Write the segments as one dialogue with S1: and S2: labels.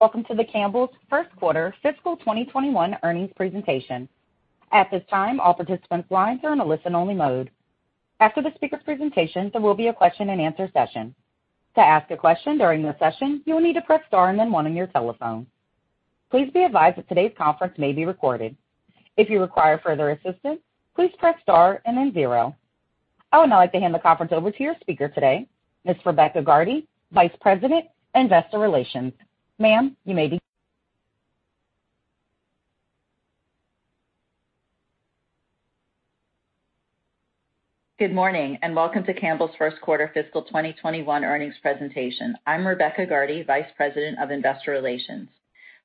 S1: Welcome to the Campbell's first quarter fiscal 2021 earnings presentation. At this time, all participants lines are in a listen-only mode. After the speaker's presentation, there will be a question-and-answer session. To ask a question during the session, you will need to press star and then one on your telephone. Please be advised that today's conference may be recorded. If you require further assistance, please press star and then zero. I would now like to hand the conference over to your speaker today, Ms. Rebecca Gardy, Vice President, Investor Relations. Ma'am, you may begin.
S2: Good morning, welcome to Campbell's first quarter fiscal 2021 earnings presentation. I'm Rebecca Gardy, Vice President of Investor Relations.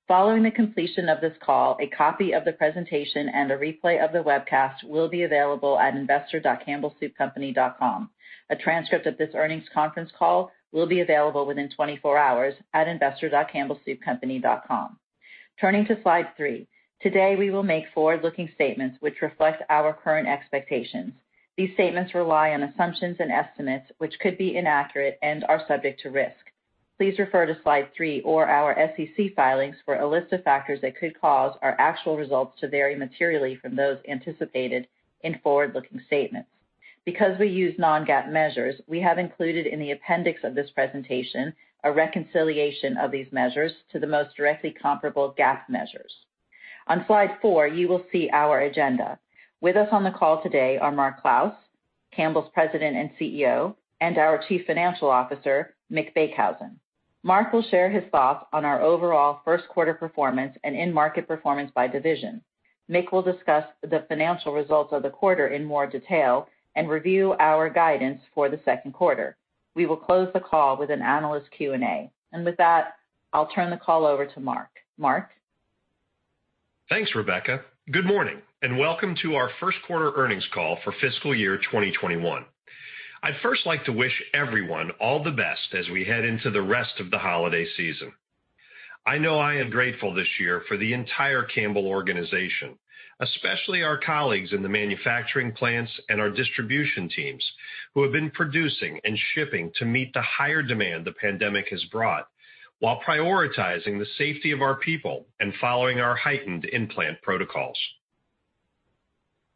S2: Following the completion of this call, a copy of the presentation and a replay of the webcast will be available at investor.campbellsoupcompany.com. A transcript of this earnings conference call will be available within 24 hours at investor.campbellsoupcompany.com. Turning to slide three. Today, we will make forward-looking statements which reflect our current expectations. These statements rely on assumptions and estimates, which could be inaccurate and are subject to risk. Please refer to slide three or our SEC filings for a list of factors that could cause our actual results to vary materially from those anticipated in forward-looking statements. Because we use non-GAAP measures, we have included in the appendix of this presentation a reconciliation of these measures to the most directly comparable GAAP measures. On slide four, you will see our agenda. With us on the call today are Mark Clouse, Campbell's President and CEO, and our Chief Financial Officer, Mick Beekhuizen. Mark will share his thoughts on our overall first quarter performance and in-market performance by division. Mick will discuss the financial results of the quarter in more detail and review our guidance for the second quarter. We will close the call with an analyst Q&A. With that, I'll turn the call over to Mark. Mark?
S3: Thanks, Rebecca. Good morning, welcome to our first quarter earnings call for fiscal year 2021. I'd first like to wish everyone all the best as we head into the rest of the holiday season. I know I am grateful this year for the entire Campbell organization, especially our colleagues in the manufacturing plants and our distribution teams who have been producing and shipping to meet the higher demand the pandemic has brought while prioritizing the safety of our people and following our heightened in-plant protocols.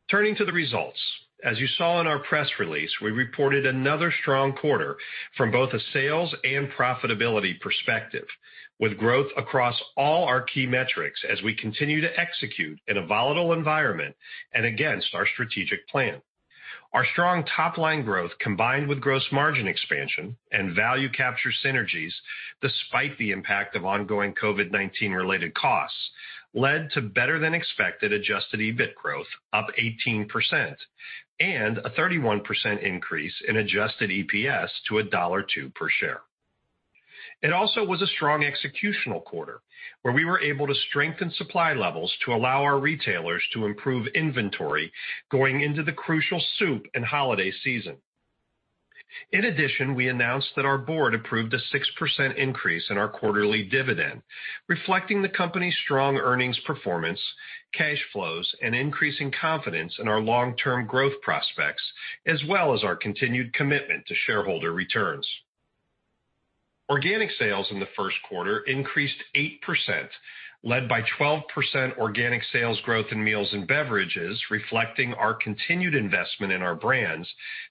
S3: Turning to the results. As you saw in our press release, we reported another strong quarter from both a sales and profitability perspective, with growth across all our key metrics as we continue to execute in a volatile environment and against our strategic plan. Our strong top-line growth, combined with gross margin expansion and value capture synergies, despite the impact of ongoing COVID-19 related costs, led to better than expected adjusted EBIT growth up 18%, and a 31% increase in adjusted EPS to $1.02 per share. It also was a strong executional quarter, where we were able to strengthen supply levels to allow our retailers to improve inventory going into the crucial soup and holiday season. In addition, we announced that our board approved a 6% increase in our quarterly dividend, reflecting the company's strong earnings performance, cash flows, and increasing confidence in our long-term growth prospects, as well as our continued commitment to shareholder returns. Organic sales in the first quarter increased 8%, led by 12% organic sales growth in Meals & Beverages, reflecting our continued investment in our brands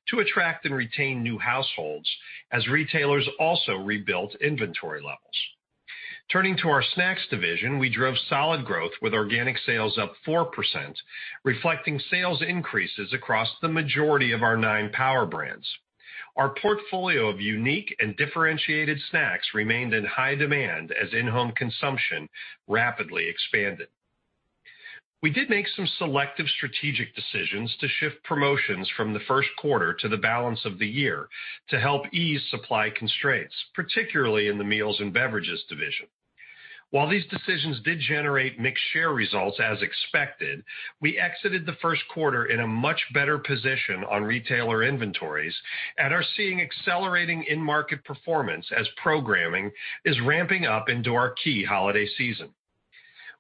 S3: to attract and retain new households as retailers also rebuilt inventory levels. Turning to our Snacks division, we drove solid growth with organic sales up 4%, reflecting sales increases across the majority of our nine power brands. Our portfolio of unique and differentiated Snacks remained in high demand as in-home consumption rapidly expanded. We did make some selective strategic decisions to shift promotions from the first quarter to the balance of the year to help ease supply constraints, particularly in the Meals & Beverages division. While these decisions did generate mixed share results as expected, we exited the first quarter in a much better position on retailer inventories and are seeing accelerating in-market performance as programming is ramping up into our key holiday season.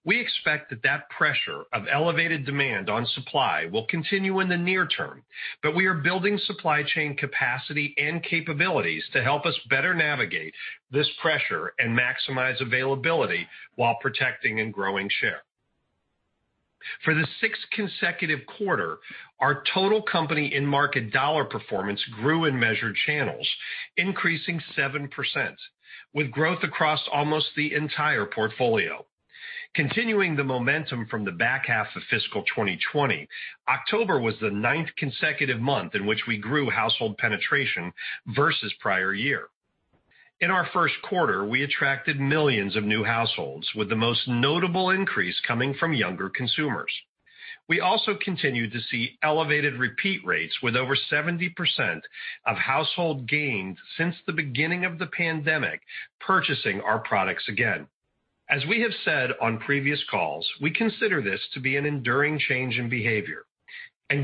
S3: We expect that pressure of elevated demand on supply will continue in the near term. We are building supply chain capacity and capabilities to help us better navigate this pressure and maximize availability while protecting and growing share. For the sixth consecutive quarter, our total company in-market dollar performance grew in measured channels, increasing 7%, with growth across almost the entire portfolio. Continuing the momentum from the back half of fiscal 2020, October was the ninth consecutive month in which we grew household penetration versus prior year. In our first quarter, we attracted millions of new households, with the most notable increase coming from younger consumers. We also continued to see elevated repeat rates with over 70% of household gained since the beginning of the pandemic purchasing our products again. As we have said on previous calls, we consider this to be an enduring change in behavior.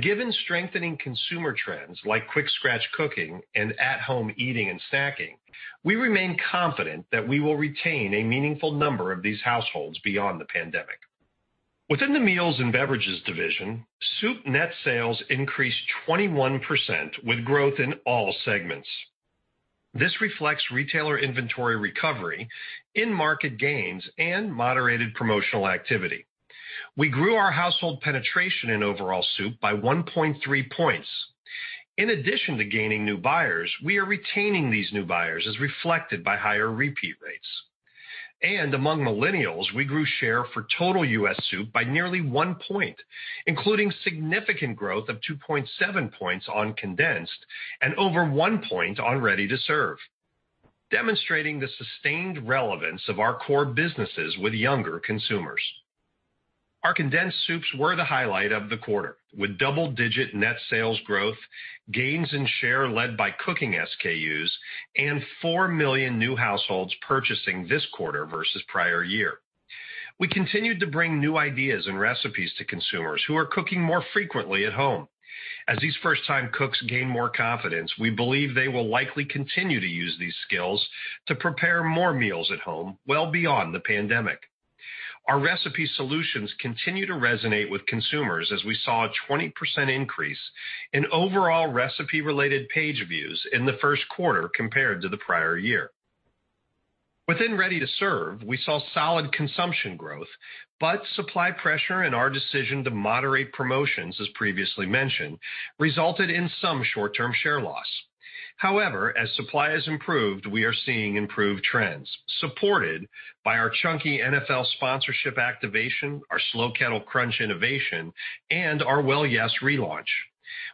S3: Given strengthening consumer trends like quick scratch cooking and at-home eating and snacking, we remain confident that we will retain a meaningful number of these households beyond the pandemic. Within the Meals & Beverages division, soup net sales increased 21% with growth in all segments. This reflects retailer inventory recovery, in-market gains, and moderated promotional activity. We grew our household penetration in overall soup by 1.3 points. In addition to gaining new buyers, we are retaining these new buyers, as reflected by higher repeat rates. Among millennials, we grew share for total U.S. soup by nearly one point, including significant growth of 2.7 points on condensed and over one point on ready-to-serve, demonstrating the sustained relevance of our core businesses with younger consumers. Our condensed soups were the highlight of the quarter, with double-digit net sales growth, gains in share led by cooking SKUs, and 4 million new households purchasing this quarter versus prior year. We continued to bring new ideas and recipes to consumers who are cooking more frequently at home. As these first-time cooks gain more confidence, we believe they will likely continue to use these skills to prepare more meals at home well beyond the pandemic. Our recipe solutions continue to resonate with consumers, as we saw a 20% increase in overall recipe-related page views in the first quarter compared to the prior year. Within ready-to-serve, we saw solid consumption growth, but supply pressure and our decision to moderate promotions, as previously mentioned, resulted in some short-term share loss. However, as supply has improved, we are seeing improved trends, supported by our Chunky NFL sponsorship activation, our Slow Kettle Crunch innovation, and our Well Yes! relaunch.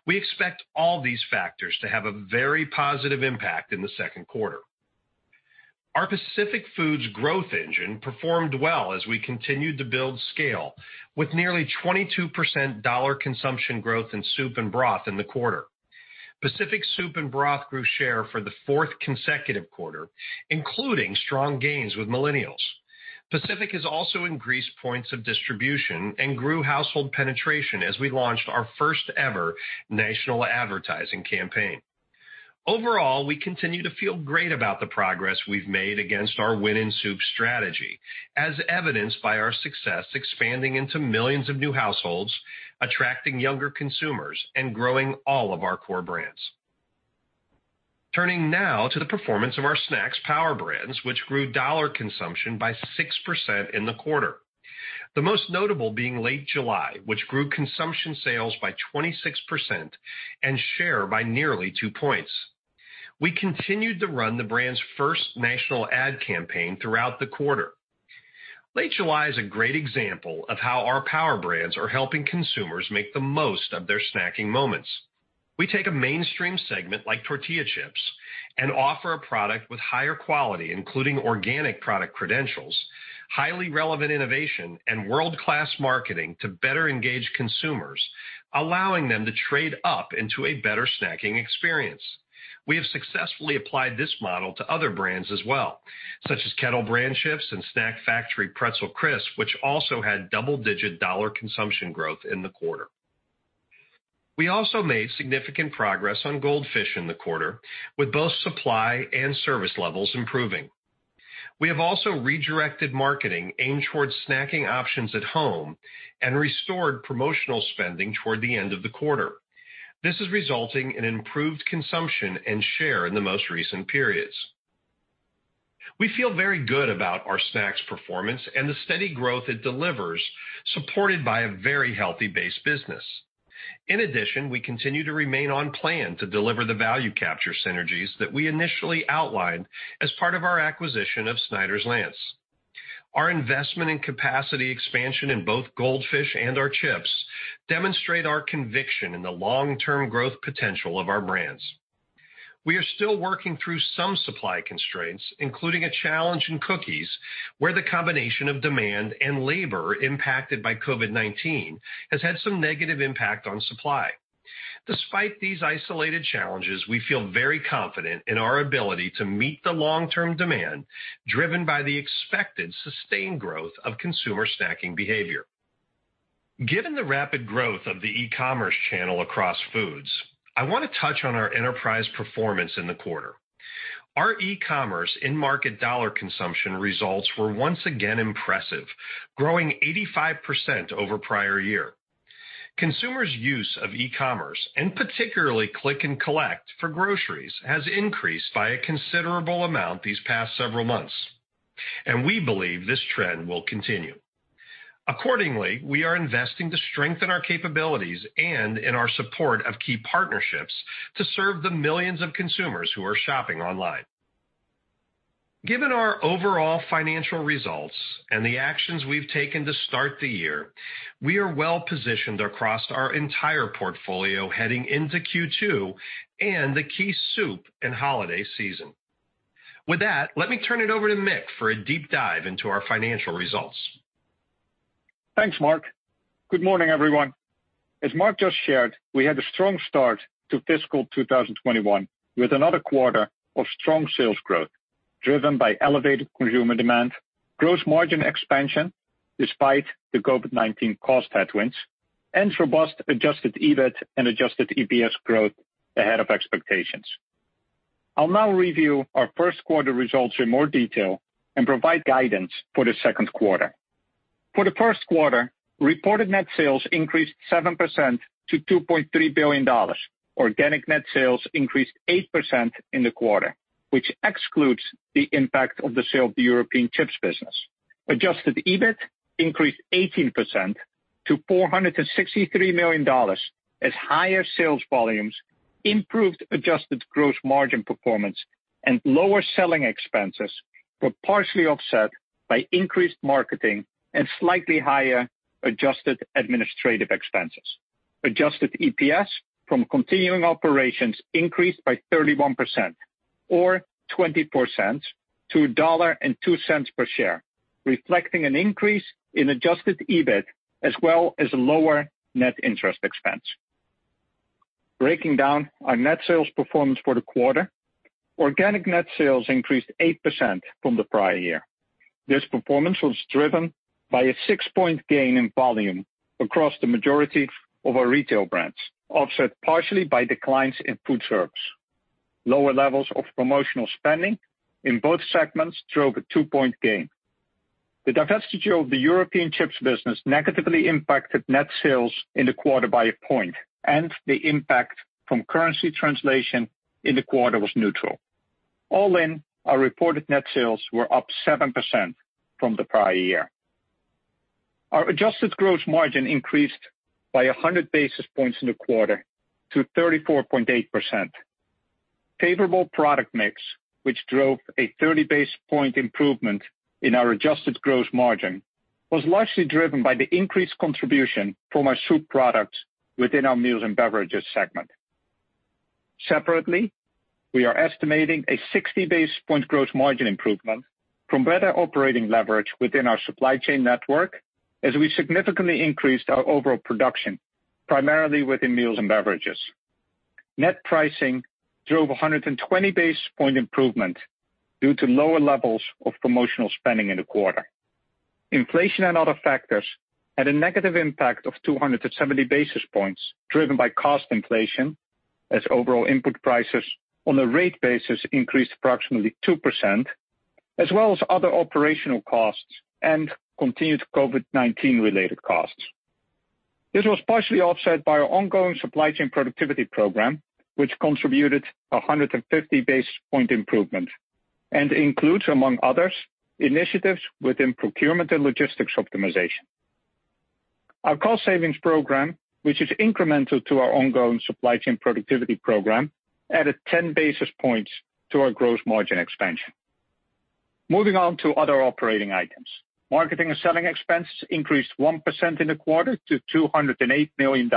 S3: We expect all these factors to have a very positive impact in the second quarter. Our Pacific Foods growth engine performed well as we continued to build scale with nearly 22% dollar consumption growth in soup and broth in the quarter. Pacific soup and broth grew share for the fourth consecutive quarter, including strong gains with millennials. Pacific has also increased points of distribution and grew household penetration as we launched our first-ever national advertising campaign. Overall, we continue to feel great about the progress we've made against our Win in Soup Strategy, as evidenced by our success expanding into millions of new households, attracting younger consumers, and growing all of our core brands. Turning now to the performance of our Snacks power brands, which grew dollar consumption by 6% in the quarter. The most notable being Late July, which grew consumption sales by 26% and share by nearly two points. We continued to run the brand's first national ad campaign throughout the quarter. Late July is a great example of how our power brands are helping consumers make the most of their snacking moments. We take a mainstream segment like tortilla chips and offer a product with higher quality, including organic product credentials, highly relevant innovation, and world-class marketing to better engage consumers, allowing them to trade up into a better snacking experience. We have successfully applied this model to other brands as well, such as Kettle Brand chips and Snack Factory Pretzel Crisps, which also had double-digit dollar consumption growth in the quarter. We also made significant progress on Goldfish in the quarter, with both supply and service levels improving. We have also redirected marketing aimed towards snacking options at home and restored promotional spending toward the end of the quarter. This is resulting in improved consumption and share in the most recent periods. We feel very good about our Snacks performance and the steady growth it delivers, supported by a very healthy base business. In addition, we continue to remain on plan to deliver the value capture synergies that we initially outlined as part of our acquisition of Snyder's-Lance. Our investment in capacity expansion in both Goldfish and our chips demonstrate our conviction in the long-term growth potential of our brands. We are still working through some supply constraints, including a challenge in cookies, where the combination of demand and labor impacted by COVID-19 has had some negative impact on supply. Despite these isolated challenges, we feel very confident in our ability to meet the long-term demand driven by the expected sustained growth of consumer snacking behavior. Given the rapid growth of the e-commerce channel across foods, I want to touch on our enterprise performance in the quarter. Our e-commerce in-market dollar consumption results were once again impressive, growing 85% over prior year. Consumers' use of e-commerce, and particularly click and collect for groceries, has increased by a considerable amount these past several months, and we believe this trend will continue. Accordingly, we are investing to strengthen our capabilities and in our support of key partnerships to serve the millions of consumers who are shopping online. Given our overall financial results and the actions we've taken to start the year, we are well-positioned across our entire portfolio heading into Q2 and the key soup and holiday season. With that, let me turn it over to Mick for a deep dive into our financial results.
S4: Thanks, Mark. Good morning, everyone. As Mark just shared, we had a strong start to fiscal 2021 with another quarter of strong sales growth driven by elevated consumer demand, gross margin expansion despite the COVID-19 cost headwinds, and robust adjusted EBIT and adjusted EPS growth ahead of expectations. I'll now review our first quarter results in more detail and provide guidance for the second quarter. For the first quarter, reported net sales increased 7% to $2.3 billion. Organic net sales increased 8% in the quarter, which excludes the impact of the sale of the European chips business. Adjusted EBIT increased 18% to $463 million, as higher sales volumes improved adjusted gross margin performance, and lower selling expenses were partially offset by increased marketing and slightly higher adjusted administrative expenses. Adjusted EPS from continuing operations increased by 31% or $0.24 to $1.02 per share, reflecting an increase in adjusted EBIT, as well as lower net interest expense. Breaking down our net sales performance for the quarter, organic net sales increased 8% from the prior year. This performance was driven by a six-point gain in volume across the majority of our retail brands, offset partially by declines in food service. Lower levels of promotional spending in both segments drove a two-point gain. The divestiture of the European chips business negatively impacted net sales in the quarter by a point, and the impact from currency translation in the quarter was neutral. All in, our reported net sales were up 7% from the prior year. Our adjusted gross margin increased by 100 basis points in the quarter to 34.8%. Favorable product mix, which drove a 30-basis point improvement in our adjusted gross margin, was largely driven by the increased contribution from our soup products within our Meals & Beverages segment. Separately, we are estimating a 60-basis point gross margin improvement from better operating leverage within our supply chain network as we significantly increased our overall production, primarily within Meals & Beverages. Net pricing drove 120-basis point improvement due to lower levels of promotional spending in the quarter. Inflation and other factors had a negative impact of 270 basis points, driven by cost inflation as overall input prices on a rate basis increased approximately 2%, as well as other operational costs and continued COVID-19 related costs. This was partially offset by our ongoing supply chain productivity program, which contributed 150-basis point improvement and includes, among others, initiatives within procurement and logistics optimization. Our cost savings program, which is incremental to our ongoing supply chain productivity program, added 10 basis points to our gross margin expansion. Moving on to other operating items. Marketing and selling expenses increased 1% in the quarter to $208 million.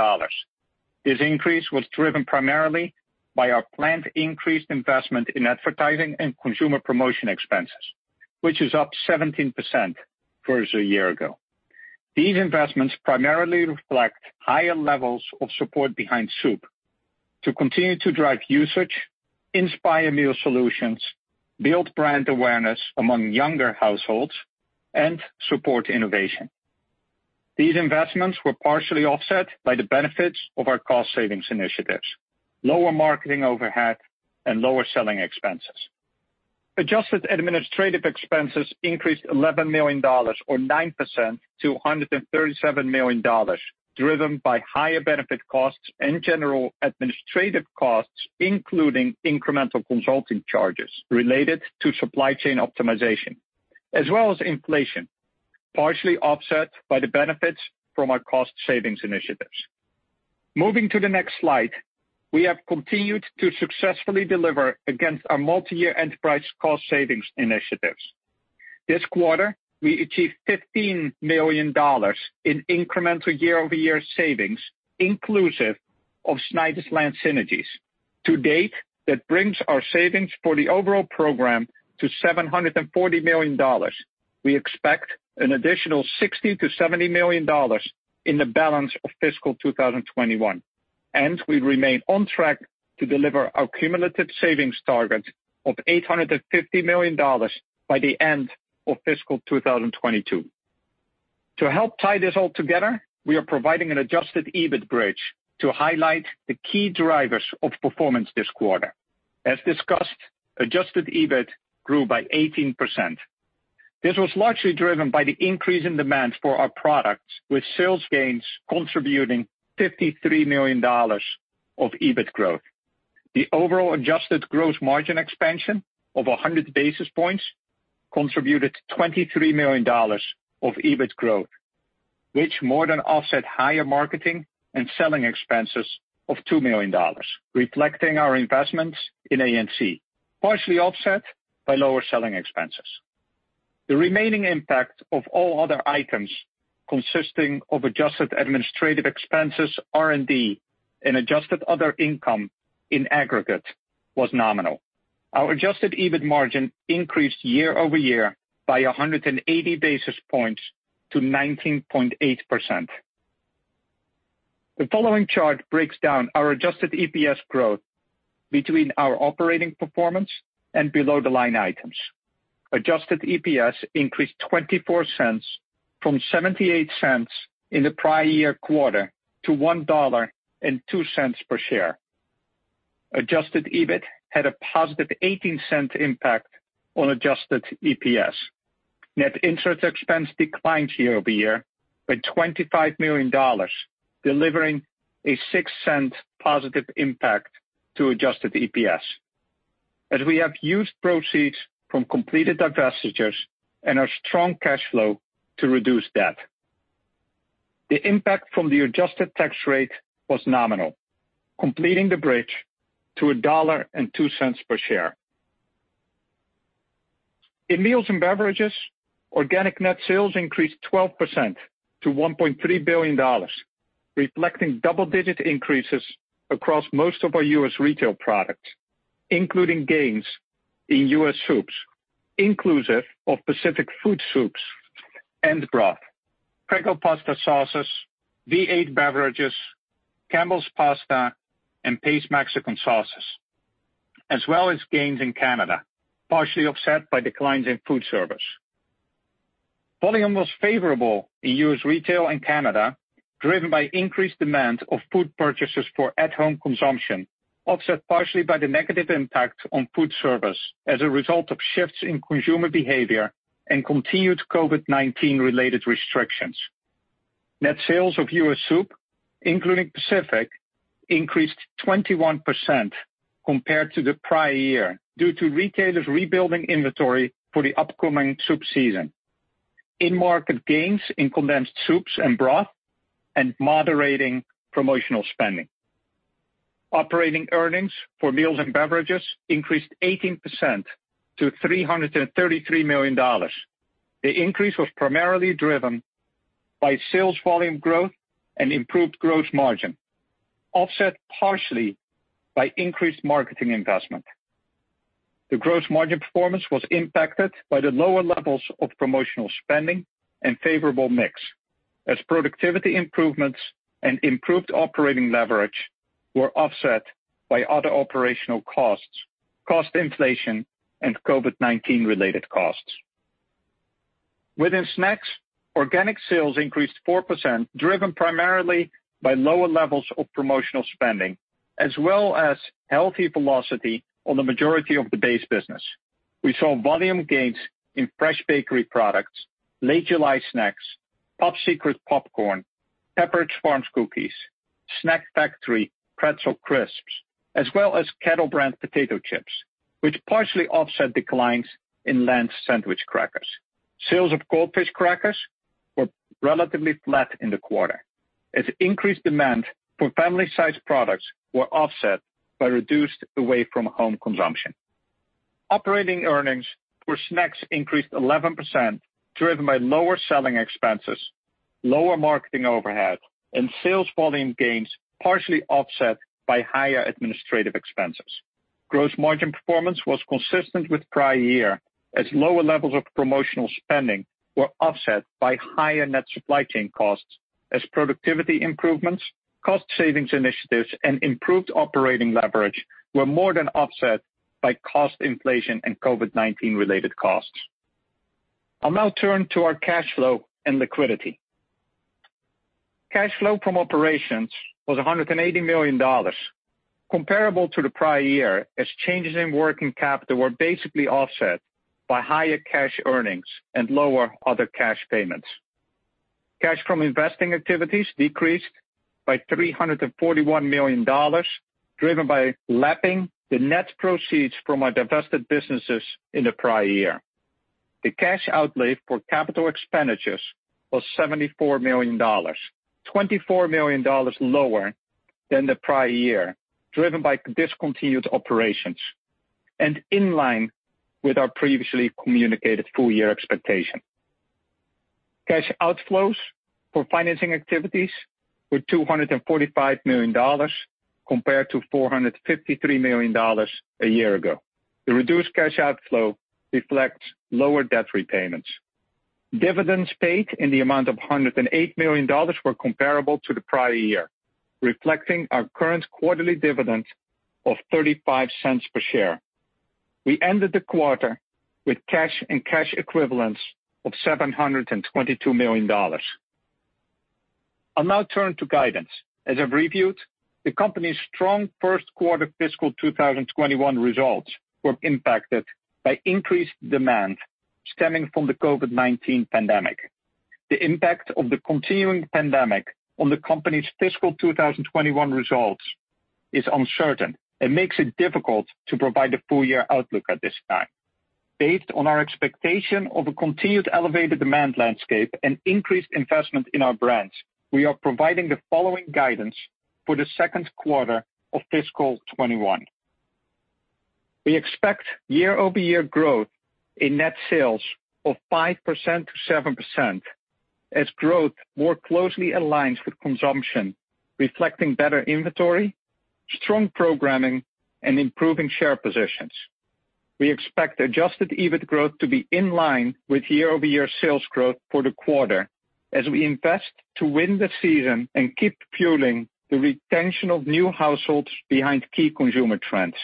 S4: This increase was driven primarily by our planned increased investment in advertising and consumer promotion expenses, which is up 17% versus a year ago. These investments primarily reflect higher levels of support behind soup to continue to drive usage, inspire meal solutions, build brand awareness among younger households, and support innovation. These investments were partially offset by the benefits of our cost savings initiatives, lower marketing overhead, and lower selling expenses. Adjusted administrative expenses increased $11 million or 9% to $137 million, driven by higher benefit costs and general administrative costs, including incremental consulting charges related to supply chain optimization, as well as inflation, partially offset by the benefits from our cost savings initiatives. Moving to the next slide, we have continued to successfully deliver against our multi-year enterprise cost savings initiatives. This quarter, we achieved $15 million in incremental year-over-year savings, inclusive of Snyder's-Lance synergies. To date, that brings our savings for the overall program to $740 million. We expect an additional $60 million-$70 million in the balance of fiscal 2021. We remain on track to deliver our cumulative savings target of $850 million by the end of fiscal 2022. To help tie this all together, we are providing an adjusted EBIT bridge to highlight the key drivers of performance this quarter. As discussed, adjusted EBIT grew by 18%. This was largely driven by the increase in demand for our products, with sales gains contributing $53 million of EBIT growth. The overall adjusted gross margin expansion of 100 basis points contributed $23 million of EBIT growth, which more than offset higher marketing and selling expenses of $2 million, reflecting our investments in A&C, partially offset by lower selling expenses. The remaining impact of all other items consisting of adjusted administrative expenses, R&D and adjusted other income in aggregate was nominal. Our adjusted EBIT margin increased year-over-year by 180 basis points to 19.8%. The following chart breaks down our adjusted EPS growth between our operating performance and below the line items. Adjusted EPS increased $0.24 from $0.78 in the prior year quarter to $1.02 per share. Adjusted EBIT had a positive $0.18 impact on adjusted EPS. Net interest expense declined year-over-year by $25 million, delivering a $0.06 positive impact to adjusted EPS, as we have used proceeds from completed divestitures and our strong cash flow to reduce debt. The impact from the adjusted tax rate was nominal, completing the bridge to $1.02 per share. In Meals & Beverages, organic net sales increased 12% to $1.3 billion, reflecting double-digit increases across most of our U.S. retail products, including gains in U.S. soups, inclusive of Pacific Foods soups and broth, Prego pasta sauces, V8 beverages, Campbell's Pasta, and Pace Mexican sauces, as well as gains in Canada, partially offset by declines in food service. Volume was favorable in U.S. retail and Canada, driven by increased demand of food purchases for at-home consumption, offset partially by the negative impact on food service as a result of shifts in consumer behavior and continued COVID-19 related restrictions. Net sales of U.S. soup, including Pacific Foods, increased 21% compared to the prior year, due to retailers rebuilding inventory for the upcoming soup season, in-market gains in condensed soups and broth, and moderating promotional spending. Operating earnings for Meals & Beverages increased 18% to $333 million. The increase was primarily driven by sales volume growth and improved gross margin, offset partially by increased marketing investment. The gross margin performance was impacted by the lower levels of promotional spending and favorable mix, as productivity improvements and improved operating leverage were offset by other operational costs, cost inflation, and COVID-19 related costs. Within Snacks, organic sales increased 4%, driven primarily by lower levels of promotional spending as well as healthy velocity on the majority of the base business. We saw volume gains in fresh bakery products, Late July Snacks, Pop Secret popcorn, Pepperidge Farm cookies, Snack Factory Pretzel Crisps, as well as Kettle Brand potato chips, which partially offset declines in Lance sandwich crackers. Sales of Goldfish crackers were relatively flat in the quarter as increased demand for family-sized products were offset by reduced away-from-home consumption. Operating earnings for Snacks increased 11%, driven by lower selling expenses, lower marketing overhead, and sales volume gains partially offset by higher administrative expenses. Gross margin performance was consistent with prior year as lower levels of promotional spending were offset by higher net supply chain costs as productivity improvements, cost savings initiatives, and improved operating leverage were more than offset by cost inflation and COVID-19 related costs. I will now turn to our cash flow and liquidity. Cash flow from operations was $180 million, comparable to the prior year as changes in working capital were basically offset by higher cash earnings and lower other cash payments. Cash from investing activities decreased by $341 million, driven by lapping the net proceeds from our divested businesses in the prior year. The cash outlay for capital expenditures was $74 million, $24 million lower than the prior year, driven by discontinued operations and in line with our previously communicated full-year expectation. Cash outflows for financing activities were $245 million compared to $453 million a year ago. The reduced cash outflow reflects lower debt repayments. Dividends paid in the amount of $108 million were comparable to the prior year, reflecting our current quarterly dividend of $0.35 per share. We ended the quarter with cash and cash equivalents of $722 million. I'll now turn to guidance. As I've reviewed, the company's strong first quarter fiscal 2021 results were impacted by increased demand stemming from the COVID-19 pandemic. The impact of the continuing pandemic on the company's fiscal 2021 results is uncertain and makes it difficult to provide a full-year outlook at this time. Based on our expectation of a continued elevated demand landscape and increased investment in our brands, we are providing the following guidance for the second quarter of fiscal 2021. We expect year-over-year growth in net sales of 5%-7% as growth more closely aligns with consumption, reflecting better inventory, strong programming, and improving share positions. We expect adjusted EBIT growth to be in line with year-over-year sales growth for the quarter. As we invest to win the season and keep fueling the retention of new households behind key consumer trends.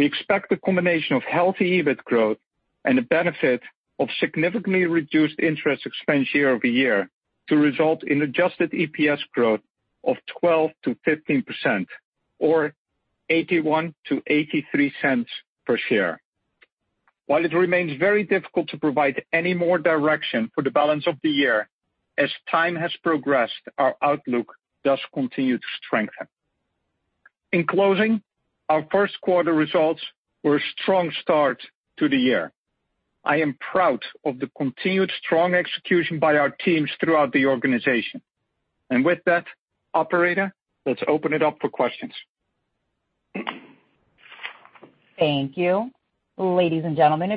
S4: We expect a combination of healthy EBIT growth and the benefit of significantly reduced interest expense year-over-year to result in adjusted EPS growth of 12%-15%, or $0.81-$0.83 per share. While it remains very difficult to provide any more direction for the balance of the year, as time has progressed, our outlook does continue to strengthen. In closing, our first quarter results were a strong start to the year. I am proud of the continued strong execution by our teams throughout the organization. With that, operator, let's open it up for questions.
S1: Thank you. Ladies and gentlemen,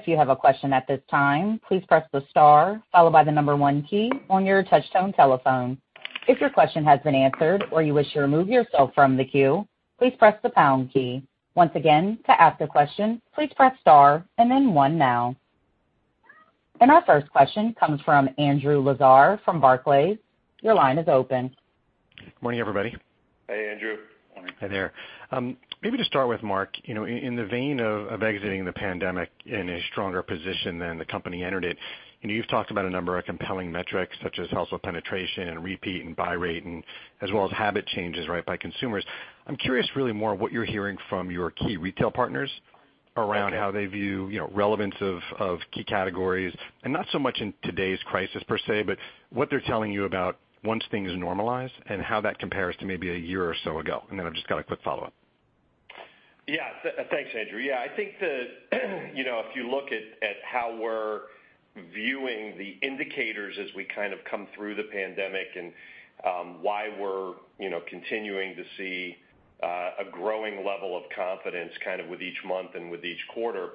S1: Our first question comes from Andrew Lazar from Barclays. Your line is open.
S5: Morning, everybody.
S3: Hey, Andrew. Morning.
S5: Hi there. Maybe to start with, Mark, in the vein of exiting the pandemic in a stronger position than the company entered it, you've talked about a number of compelling metrics such as household penetration and repeat and buy rate, as well as habit changes by consumers. I'm curious really more what you're hearing from your key retail partners around how they view relevance of key categories, and not so much in today's crisis per se, but what they're telling you about once things normalize and how that compares to maybe a year or so ago. I've just got a quick follow-up.
S3: Yeah. Thanks, Andrew. I think that if you look at how we're viewing the indicators as we kind of come through the pandemic and why we're continuing to see a growing level of confidence kind of with each month and with each quarter,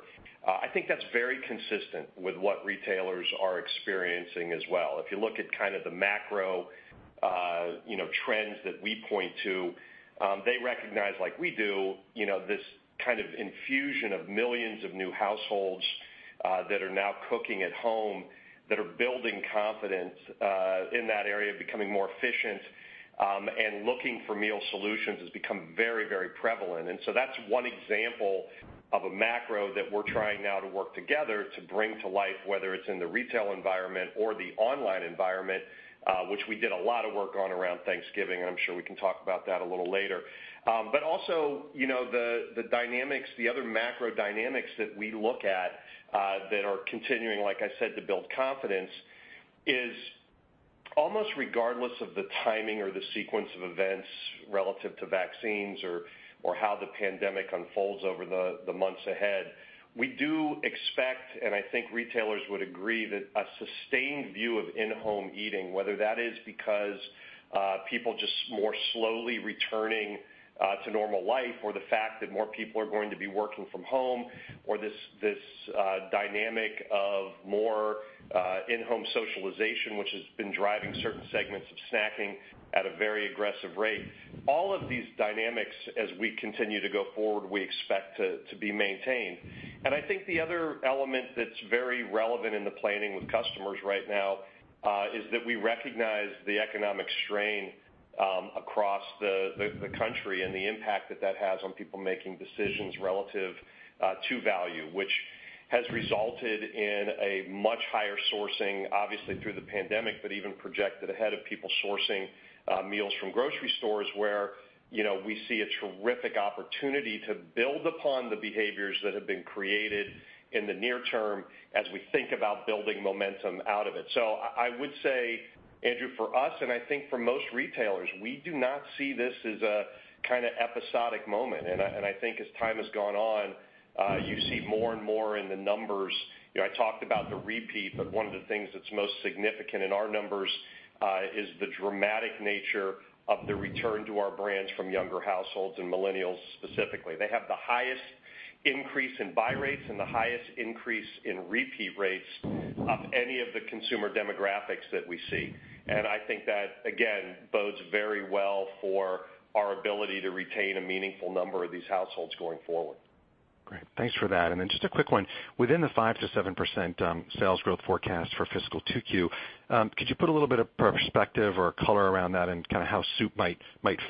S3: I think that's very consistent with what retailers are experiencing as well. If you look at kind of the macro trends that we point to, they recognize, like we do, this kind of infusion of millions of new households that are now cooking at home, that are building confidence in that area of becoming more efficient, and looking for meal solutions has become very, very prevalent. That's one example of a macro that we're trying now to work together to bring to life, whether it's in the retail environment or the online environment, which we did a lot of work on around Thanksgiving. I'm sure we can talk about that a little later. Also the other macro dynamics that we look at that are continuing, like I said, to build confidence, is almost regardless of the timing or the sequence of events relative to vaccines or how the pandemic unfolds over the months ahead, we do expect, and I think retailers would agree, that a sustained view of in-home eating, whether that is because people just more slowly returning to normal life or the fact that more people are going to be working from home or this dynamic of more in-home socialization, which has been driving certain segments of snacking at a very aggressive rate. All of these dynamics, as we continue to go forward, we expect to be maintained. I think the other element that's very relevant in the planning with customers right now, is that we recognize the economic strain across the country and the impact that that has on people making decisions relative to value, which has resulted in a much higher sourcing, obviously, through the pandemic, but even projected ahead of people sourcing meals from grocery stores, where we see a terrific opportunity to build upon the behaviors that have been created in the near term as we think about building momentum out of it. I would say, Andrew, for us, and I think for most retailers, we do not see this as a kind of episodic moment. I think as time has gone on, you see more and more in the numbers. I talked about the repeat, but one of the things that's most significant in our numbers, is the dramatic nature of the return to our brands from younger households and millennials specifically. They have the highest increase in buy rates and the highest increase in repeat rates of any of the consumer demographics that we see. I think that, again, bodes very well for our ability to retain a meaningful number of these households going forward.
S5: Great. Thanks for that. Then just a quick one. Within the 5%-7% sales growth forecast for fiscal 2Q, could you put a little bit of perspective or color around that and kind of how soup might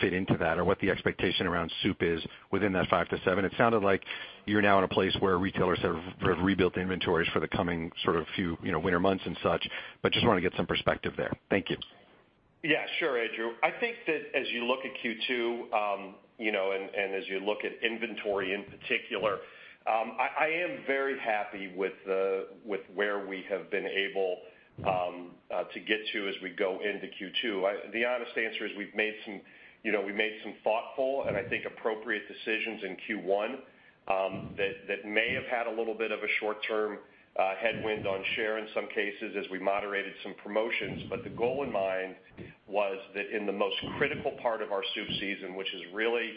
S5: fit into that, or what the expectation around soup is within that 5%-7%? It sounded like you're now in a place where retailers have rebuilt inventories for the coming sort of few winter months and such, but just want to get some perspective there. Thank you.
S3: Yeah, sure, Andrew. I think that as you look at Q2, and as you look at inventory in particular, I am very happy with where we have been able to get to as we go into Q2. The honest answer is we've made some thoughtful and I think appropriate decisions in Q1, that may have had a little bit of a short-term headwind on share in some cases as we moderated some promotions. The goal in mind was that in the most critical part of our soup season, which is really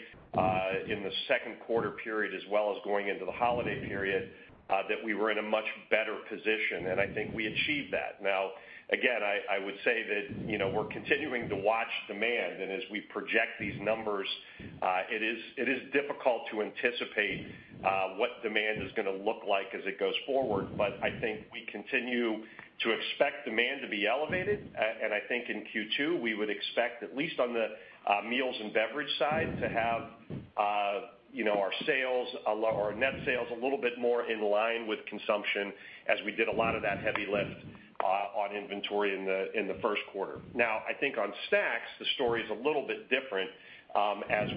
S3: in the second quarter period as well as going into the holiday period, that we were in a much better position, and I think we achieved that. Again, I would say that we're continuing to watch demand, and as we project these numbers, it is difficult to anticipate what demand is going to look like as it goes forward. I think we continue to expect demand to be elevated, and I think in Q2, we would expect at least on the meals and beverage side to have our net sales a little bit more in line with consumption as we did a lot of that heavy lift on inventory in the first quarter. I think on Snacks, the story's a little bit different. As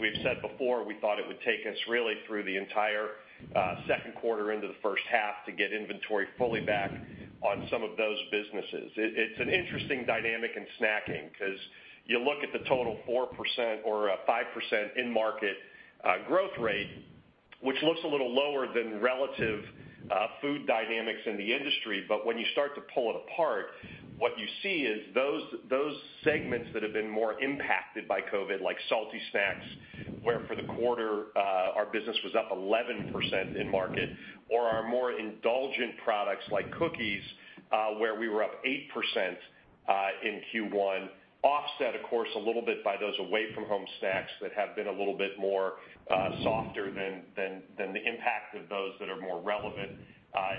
S3: we've said before, we thought it would take us really through the entire second quarter into the first half to get inventory fully back on some of those businesses. It's an interesting dynamic in snacking because you look at the total 4% or 5% in-market growth rate, which looks a little lower than relative food dynamics in the industry. When you start to pull it apart, what you see is those segments that have been more impacted by COVID-19, like salty Snacks, where for the quarter our business was up 11% in market, or our more indulgent products like cookies, where we were up 8% in Q1, offset, of course, a little bit by those away from home Snacks that have been a little bit more softer than the impact of those that are more relevant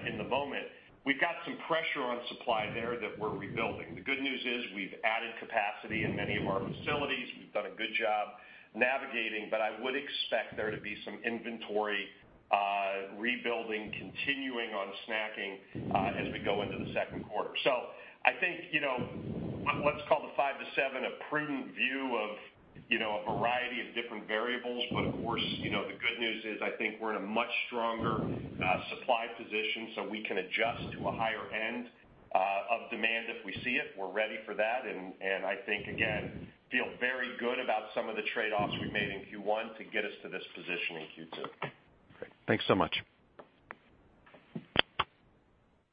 S3: in the moment. We've got some pressure on supply there that we're rebuilding. The good news is we've added capacity in many of our facilities. We've done a good job navigating. I would expect there to be some inventory rebuilding continuing on snacking as we go into the second quarter. I think, what's called a five to seven, a prudent view of a variety of different variables. Of course, the good news is I think we're in a much stronger supply position so we can adjust to a higher end of demand if we see it. We're ready for that and I think, again, feel very good about some of the trade-offs we've made in Q1 to get us to this position in Q2.
S5: Great. Thanks so much.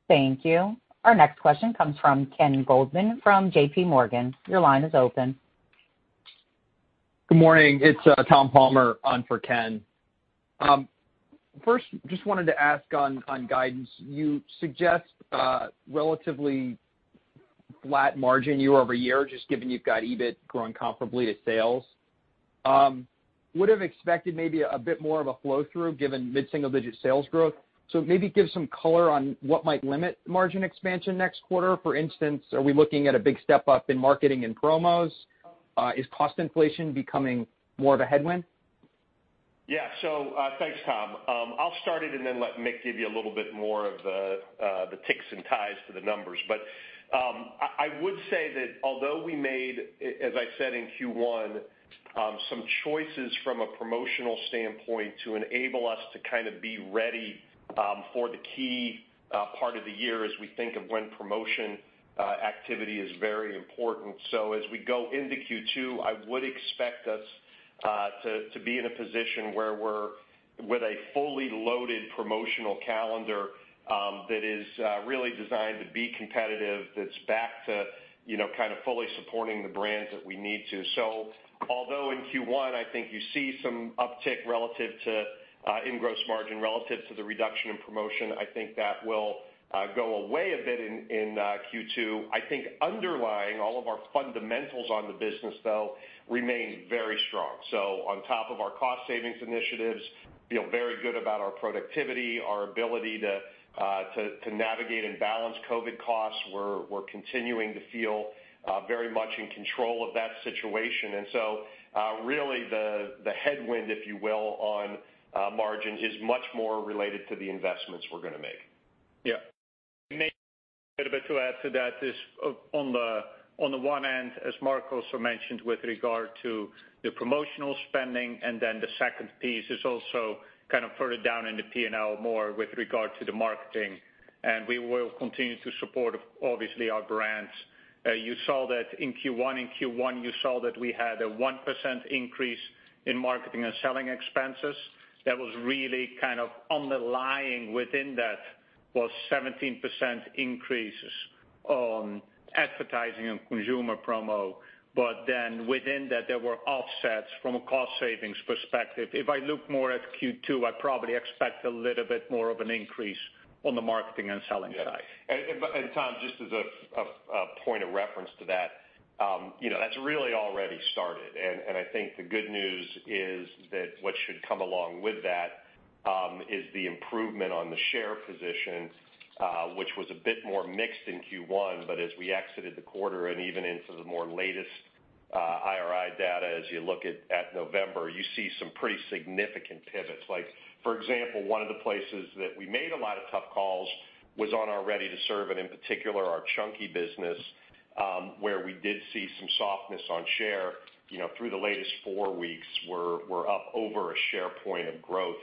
S1: Thank you. Our next question comes from Ken Goldman from JPMorgan. Your line is open.
S6: Good morning. It's Tom Palmer on for Ken. First, just wanted to ask on guidance. You suggest relatively flat margin year-over-year, just given you've got EBIT growing comparably to sales. Would have expected maybe a bit more of a flow-through given mid-single-digit sales growth. Maybe give some color on what might limit margin expansion next quarter. For instance, are we looking at a big step up in marketing and promos? Is cost inflation becoming more of a headwind?
S3: Thanks, Tom. I'll start it and then let Mick give you a little bit more of the ticks and ties to the numbers. I would say that although we made, as I said, in Q1, some choices from a promotional standpoint to enable us to kind of be ready for the key part of the year as we think of when promotion activity is very important. As we go into Q2, I would expect us to be in a position where we're with a fully loaded promotional calendar that is really designed to be competitive, that's back to kind of fully supporting the brands that we need to. Although in Q1, I think you see some uptick in gross margin relative to the reduction in promotion, I think that will go away a bit in Q2. I think underlying all of our fundamentals on the business, though, remain very strong. On top of our cost savings initiatives, feel very good about our productivity, our ability to navigate and balance COVID costs. We're continuing to feel very much in control of that situation. Really the headwind, if you will, on margins is much more related to the investments we're going to make.
S4: Mick, a little bit to add to that is on the one end, as Mark also mentioned with regard to the promotional spending. The second piece is also kind of further down in the P&L more with regard to the marketing. We will continue to support, obviously, our brands. In Q1, you saw that we had a 1% increase in marketing and selling expenses. That was really kind of underlying within that was 17% increases on advertising and consumer promo. Within that, there were offsets from a cost savings perspective. If I look more at Q2, I probably expect a little bit more of an increase on the marketing and selling side.
S3: Yeah. Tom, just as a point of reference to that's really already started, and I think the good news is that what should come along with that is the improvement on the share position, which was a bit more mixed in Q1. As we exited the quarter and even into the more latest IRI data, as you look at November, you see some pretty significant pivots. Like, for example, one of the places that we made a lot of tough calls was on our ready-to-serve and in particular, our Campbell's Chunky business, where we did see some softness on share. Through the latest four weeks, we're up over a share point of growth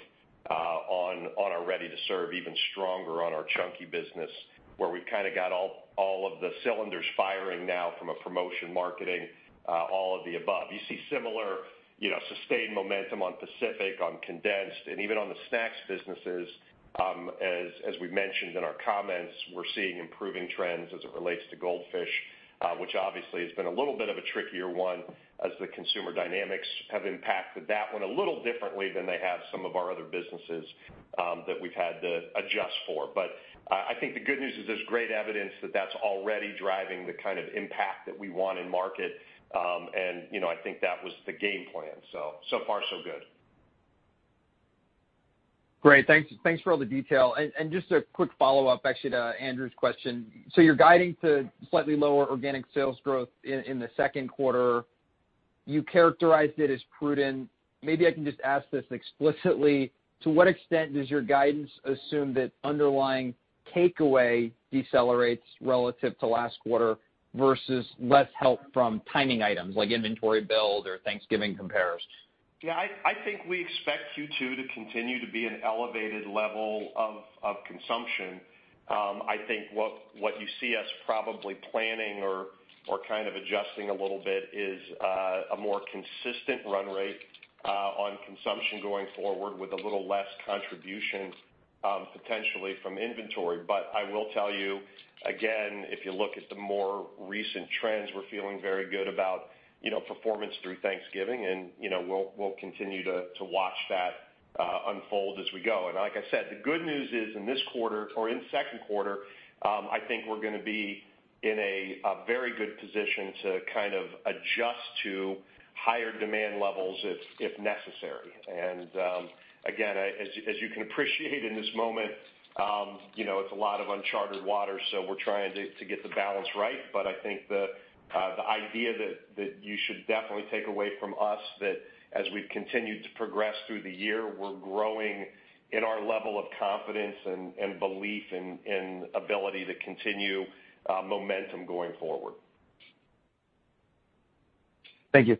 S3: on our ready-to-serve, even stronger on our Campbell's Chunky business, where we've kind of got all of the cylinders firing now from a promotion marketing, all of the above. You see similar sustained momentum on Pacific, on condensed, and even on the Snacks businesses. As we mentioned in our comments, we're seeing improving trends as it relates to Goldfish, which obviously has been a little bit of a trickier one as the consumer dynamics have impacted that one a little differently than they have some of our other businesses that we've had to adjust for. I think the good news is there's great evidence that that's already driving the kind of impact that we want in market. I think that was the game plan. So far so good.
S6: Great. Thanks for all the detail. Just a quick follow-up actually to Andrew's question. You're guiding to slightly lower organic sales growth in the second quarter. You characterized it as prudent. Maybe I can just ask this explicitly. To what extent does your guidance assume that underlying takeaway decelerates relative to last quarter versus less help from timing items like inventory build or Thanksgiving comparisons?
S3: Yeah, I think we expect Q2 to continue to be an elevated level of consumption. I think what you see us probably planning or kind of adjusting a little bit is a more consistent run rate on consumption going forward with a little less contribution, potentially from inventory. I will tell you again, if you look at the more recent trends, we're feeling very good about performance through Thanksgiving, and we'll continue to watch that unfold as we go. Like I said, the good news is, in this quarter or in the second quarter, I think we're going to be in a very good position to kind of adjust to higher demand levels if necessary. Again, as you can appreciate in this moment, it's a lot of uncharted waters, so we're trying to get the balance right. I think the idea that you should definitely take away from us, that as we've continued to progress through the year, we're growing in our level of confidence and belief in ability to continue momentum going forward.
S6: Thank you.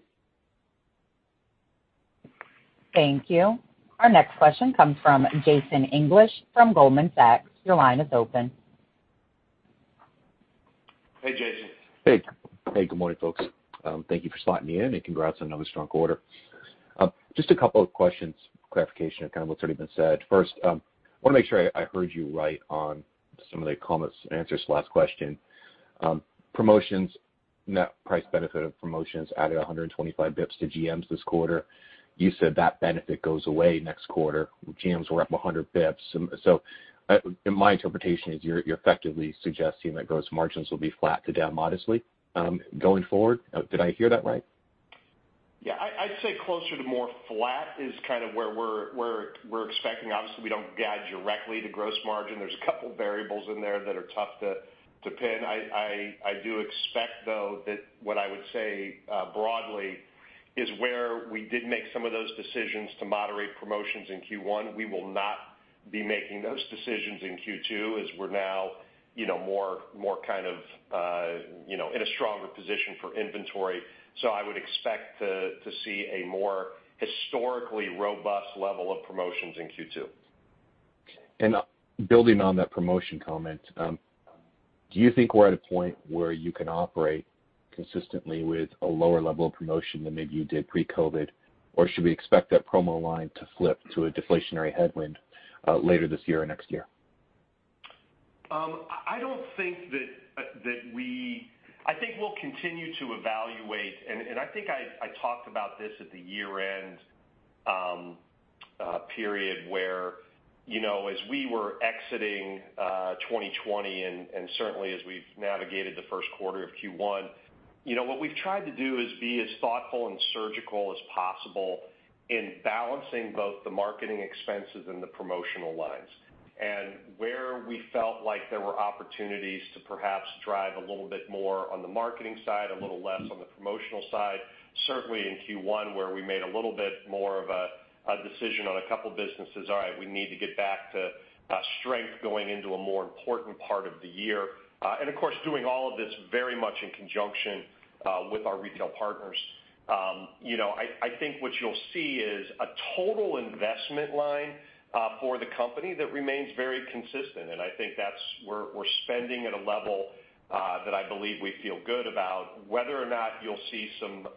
S1: Thank you. Our next question comes from Jason English from Goldman Sachs. Your line is open.
S3: Hey, Jason.
S7: Good morning, folks. Thank you for slotting me in, and congrats on another strong quarter. Just a couple of questions, clarification of kind of what's already been said. First, I want to make sure I heard you right on some of the comments and answers to last question. Promotions, net price benefit of promotions added 125 basis points to GMs this quarter. You said that benefit goes away next quarter. GMs were up 100 basis points. My interpretation is you're effectively suggesting that gross margins will be flat to down modestly going forward. Did I hear that right?
S3: Yeah. I'd say closer to more flat is kind of where we're expecting. Obviously, we don't guide directly to gross margin. There's a couple variables in there that are tough to pin. I do expect, though, that what I would say broadly is where we did make some of those decisions to moderate promotions in Q1, we will not be making those decisions in Q2 as we're now in a stronger position for inventory. I would expect to see a more historically robust level of promotions in Q2.
S7: Building on that promotion comment, do you think we're at a point where you can operate consistently with a lower level of promotion than maybe you did pre-COVID? Or should we expect that promo line to flip to a deflationary headwind later this year or next year?
S3: I think we'll continue to evaluate, and I think I talked about this at the year-end period where as we were exiting 2020, and certainly as we've navigated the first quarter of Q1. What we've tried to do is be as thoughtful and surgical as possible in balancing both the marketing expenses and the promotional lines. Where we felt like there were opportunities to perhaps drive a little bit more on the marketing side, a little less on the promotional side. Certainly in Q1, where we made a little bit more of a decision on a couple of businesses. All right, we need to get back to strength going into a more important part of the year. Of course, doing all of this very much in conjunction with our retail partners. I think what you'll see is a total investment line for the company that remains very consistent, and I think that we're spending at a level that I believe we feel good about. Whether or not you'll see some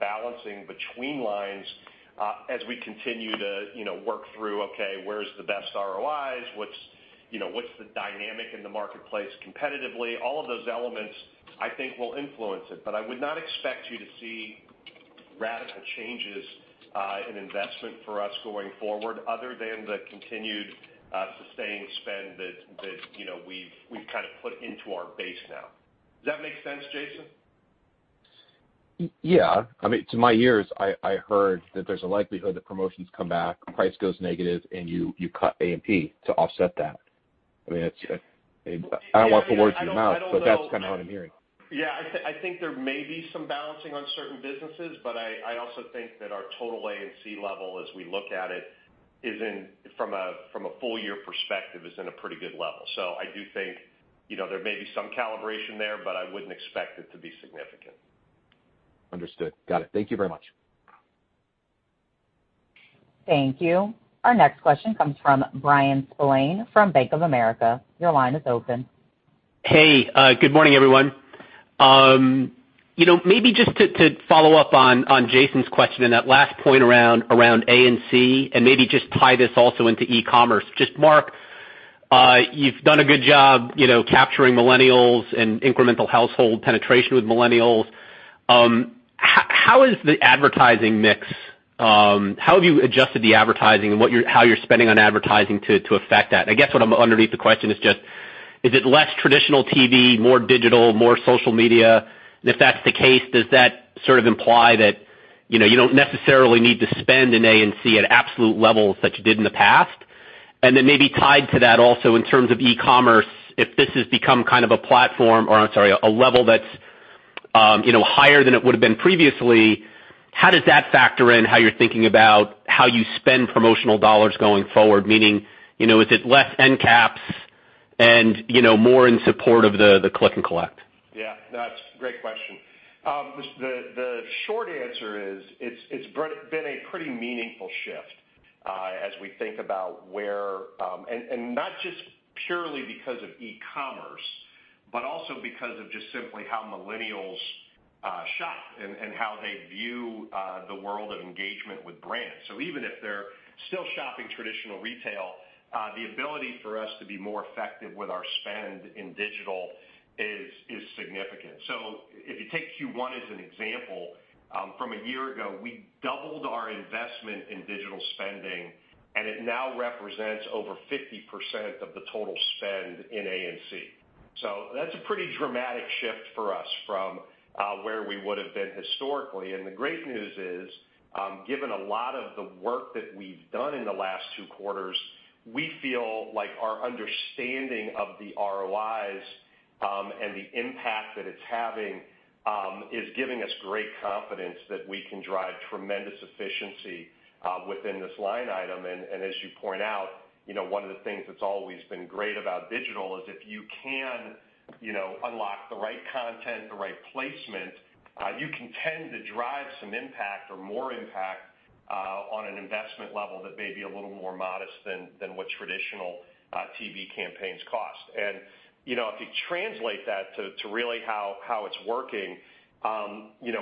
S3: balancing between lines as we continue to work through, okay, where's the best ROIs? What's the dynamic in the marketplace competitively? All of those elements, I think, will influence it. I would not expect you to see radical changes in investment for us going forward other than the continued sustained spend that we've kind of put into our base now. Does that make sense, Jason?
S7: Yeah. To my ears, I heard that there's a likelihood that promotions come back, price goes negative, and you cut A&P to offset that. I don't want the words in your mouth, but that's kind of what I'm hearing.
S3: Yeah, I think there may be some balancing on certain businesses, but I also think that our total A&C level as we look at it, from a full year perspective, is in a pretty good level. I do think there may be some calibration there, but I wouldn't expect it to be significant.
S7: Understood. Got it. Thank you very much.
S1: Thank you. Our next question comes from Bryan Spillane from Bank of America. Your line is open.
S8: Hey, good morning, everyone. Maybe just to follow up on Jason's question and that last point around A&C, and maybe just tie this also into e-commerce. Just Mark, you've done a good job capturing millennials and incremental household penetration with millennials. How have you adjusted the advertising and how you're spending on advertising to affect that? I guess what underneath the question is just. Is it less traditional TV, more digital, more social media? If that's the case, does that sort of imply that you don't necessarily need to spend in A&C at absolute levels that you did in the past? Maybe tied to that also in terms of e-commerce, if this has become kind of a platform or, I'm sorry, a level that's higher than it would've been previously, how does that factor in how you're thinking about how you spend promotional dollars going forward? Meaning, is it less end caps and more in support of the click and collect?
S3: Yeah, no, that's a great question. The short answer is it's been a pretty meaningful shift, as we think about not just purely because of e-commerce, but also because of just simply how millennials shop and how they view the world of engagement with brands. Even if they're still shopping traditional retail, the ability for us to be more effective with our spend in digital is significant. If you take Q1 as an example, from a year ago, we doubled our investment in digital spending, and it now represents over 50% of the total spend in A&C. That's a pretty dramatic shift for us from where we would've been historically, and the great news is, given a lot of the work that we've done in the last two quarters, we feel like our understanding of the ROIs, and the impact that it's having, is giving us great confidence that we can drive tremendous efficiency within this line item. As you point out, one of the things that's always been great about digital is if you can unlock the right content, the right placement, you can tend to drive some impact or more impact, on an investment level that may be a little more modest than what traditional TV campaigns cost. If you translate that to really how it's working,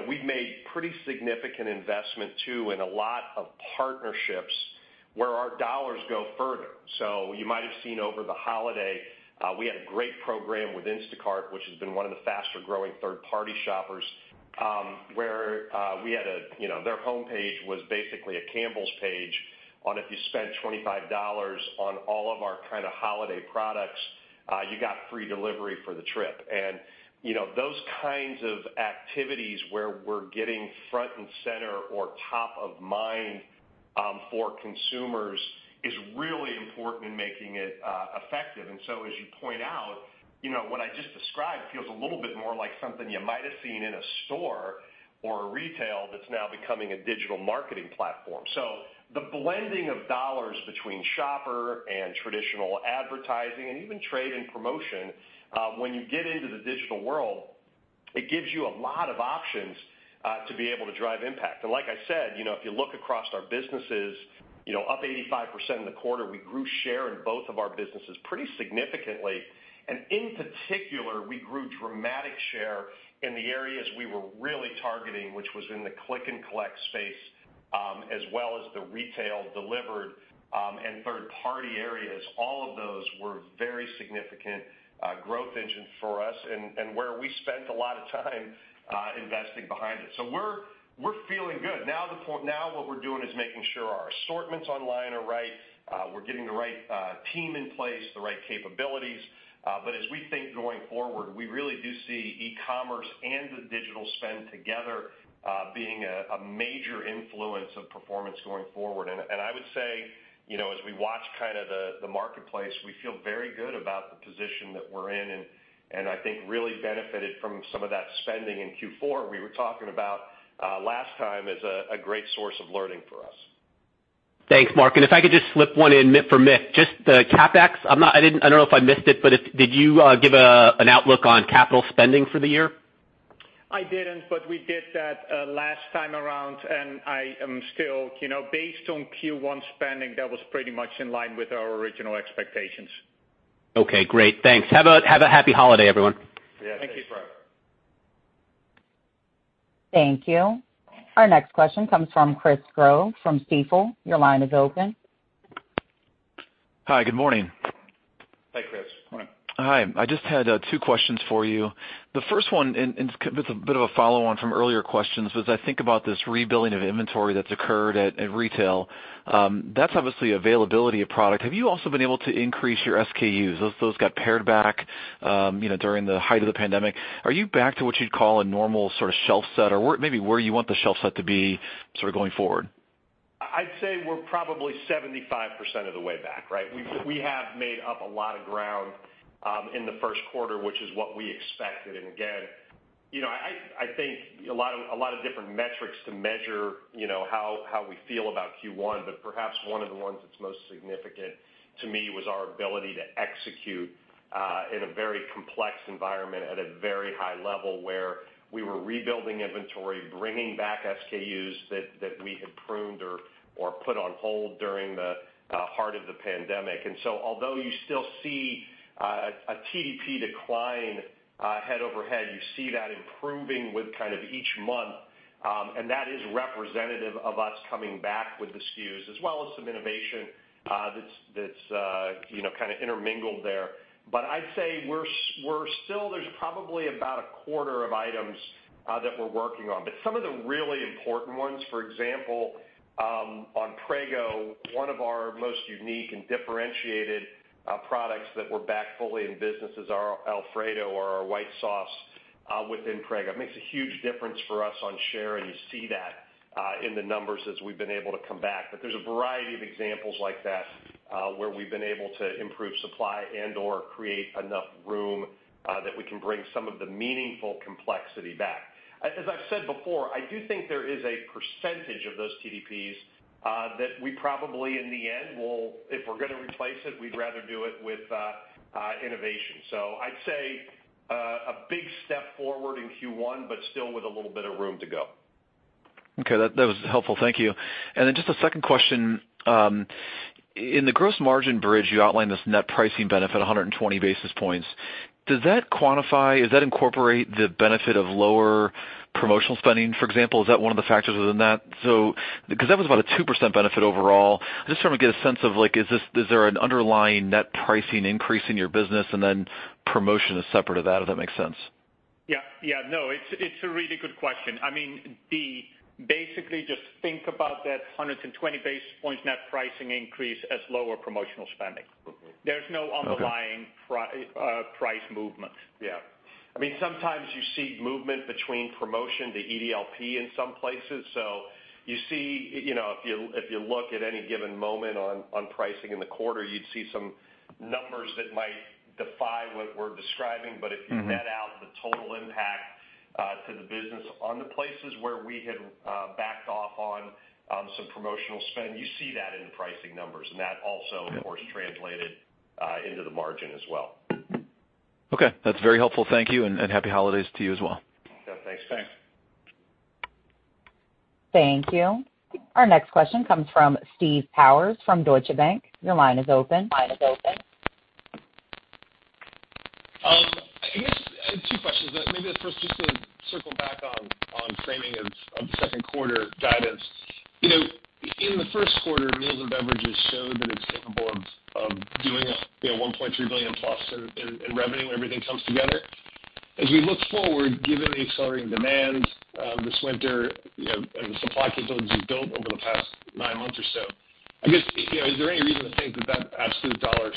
S3: we've made pretty significant investment too in a lot of partnerships where our dollars go further. You might have seen over the holiday, we had a great program with Instacart, which has been one of the faster-growing third-party shoppers, where their homepage was basically a Campbell's page on if you spent $25 on all of our kind of holiday products, you got free delivery for the trip. Those kinds of activities where we're getting front and center or top of mind for consumers is really important in making it effective. As you point out, what I just described feels a little bit more like something you might have seen in a store or a retail that's now becoming a digital marketing platform. The blending of dollars between shopper and traditional advertising and even trade and promotion, when you get into the digital world, it gives you a lot of options to be able to drive impact. Like I said, if you look across our businesses, up 85% in the quarter, we grew share in both of our businesses pretty significantly. In particular, we grew dramatic share in the areas we were really targeting, which was in the click and collect space, as well as the retail delivered, and third-party areas. All of those were very significant growth engines for us and where we spent a lot of time investing behind it. We're feeling good. Now what we're doing is making sure our assortments online are right, we're getting the right team in place, the right capabilities. As we think going forward, we really do see e-commerce and the digital spend together being a major influence of performance going forward. I would say, as we watch the marketplace, we feel very good about the position that we're in, and I think really benefited from some of that spending in Q4 we were talking about last time as a great source of learning for us.
S8: Thanks, Mark. If I could just slip one in for Mick, just the CapEx, I don't know if I missed it, but did you give an outlook on capital spending for the year?
S4: I didn't, but we did that last time around, and I am still based on Q1 spending, that was pretty much in line with our original expectations.
S8: Okay, great. Thanks. Have a happy holiday, everyone.
S3: Yeah. Thanks.
S4: Thank you, Bryan.
S1: Thank you. Our next question comes from Chris Growe from Stifel. Your line is open.
S9: Hi. Good morning.
S3: Hi, Chris. Morning.
S9: Hi. I just had two questions for you. The first one, and it's a bit of a follow-on from earlier questions, was I think about this rebuilding of inventory that's occurred at retail, that's obviously availability of product. Have you also been able to increase your SKUs? Those got pared back during the height of the pandemic. Are you back to what you'd call a normal sort of shelf set or maybe where you want the shelf set to be going forward?
S3: I'd say we're probably 75% of the way back, right? We have made up a lot of ground in the first quarter, which is what we expected. I think a lot of different metrics to measure how we feel about Q1, but perhaps one of the ones that's most significant to me was our ability to execute in a very complex environment at a very high level, where we were rebuilding inventory, bringing back SKUs that we had pruned or put on hold during the heart of the pandemic. Although you still see a TDP decline head-over-head, you see that improving with kind of each month. That is representative of us coming back with the SKUs as well as some innovation that's intermingled there. I'd say there's probably about a quarter of items that we're working on. Some of the really important ones, for example, on Prego, one of our most unique and differentiated products that we're back fully in business is our Alfredo or our white sauce within Prego. It makes a huge difference for us on share, and you see that in the numbers as we've been able to come back. There's a variety of examples like that where we've been able to improve supply and/or create enough room that we can bring some of the meaningful complexity back. As I've said before, I do think there is a percentage of those TDPs that we probably, in the end, if we're going to replace it, we'd rather do it with innovation. I'd say a big step forward in Q1, but still with a little bit of room to go.
S9: Okay, that was helpful. Thank you. Just a second question. In the gross margin bridge, you outlined this net pricing benefit, 120 basis points. Does that quantify, does that incorporate the benefit of lower promotional spending, for example? Is that one of the factors within that? That was about a 2% benefit overall. I just want to get a sense of, is there an underlying net pricing increase in your business and then promotion is separate of that? If that makes sense.
S4: Yeah. No, it's a really good question. Basically, just think about that 120 basis points net pricing increase as lower promotional spending.
S9: Okay.
S4: There's no underlying price movement.
S3: Yeah. Sometimes you see movement between promotion to EDLP in some places. If you look at any given moment on pricing in the quarter, you'd see some numbers that might defy what we're describing. If you net out the total impact to the business on the places where we had backed off on some promotional spend, you see that in the pricing numbers, and that also, of course, translated into the margin as well.
S9: Okay. That's very helpful. Thank you, and happy holidays to you as well.
S4: Thanks.
S3: Thanks.
S1: Thank you. Our next question comes from Steve Powers from Deutsche Bank. Your line is open.
S10: I guess two questions, but maybe at first just to circle back on framing of the second quarter guidance. In the first quarter, Meals & Beverages showed that it's capable of doing a $1.3 billion plus in revenue when everything comes together. As we look forward, given the accelerating demands this winter and the supply capabilities you've built over the past nine months or so, is there any reason to think that that absolute dollar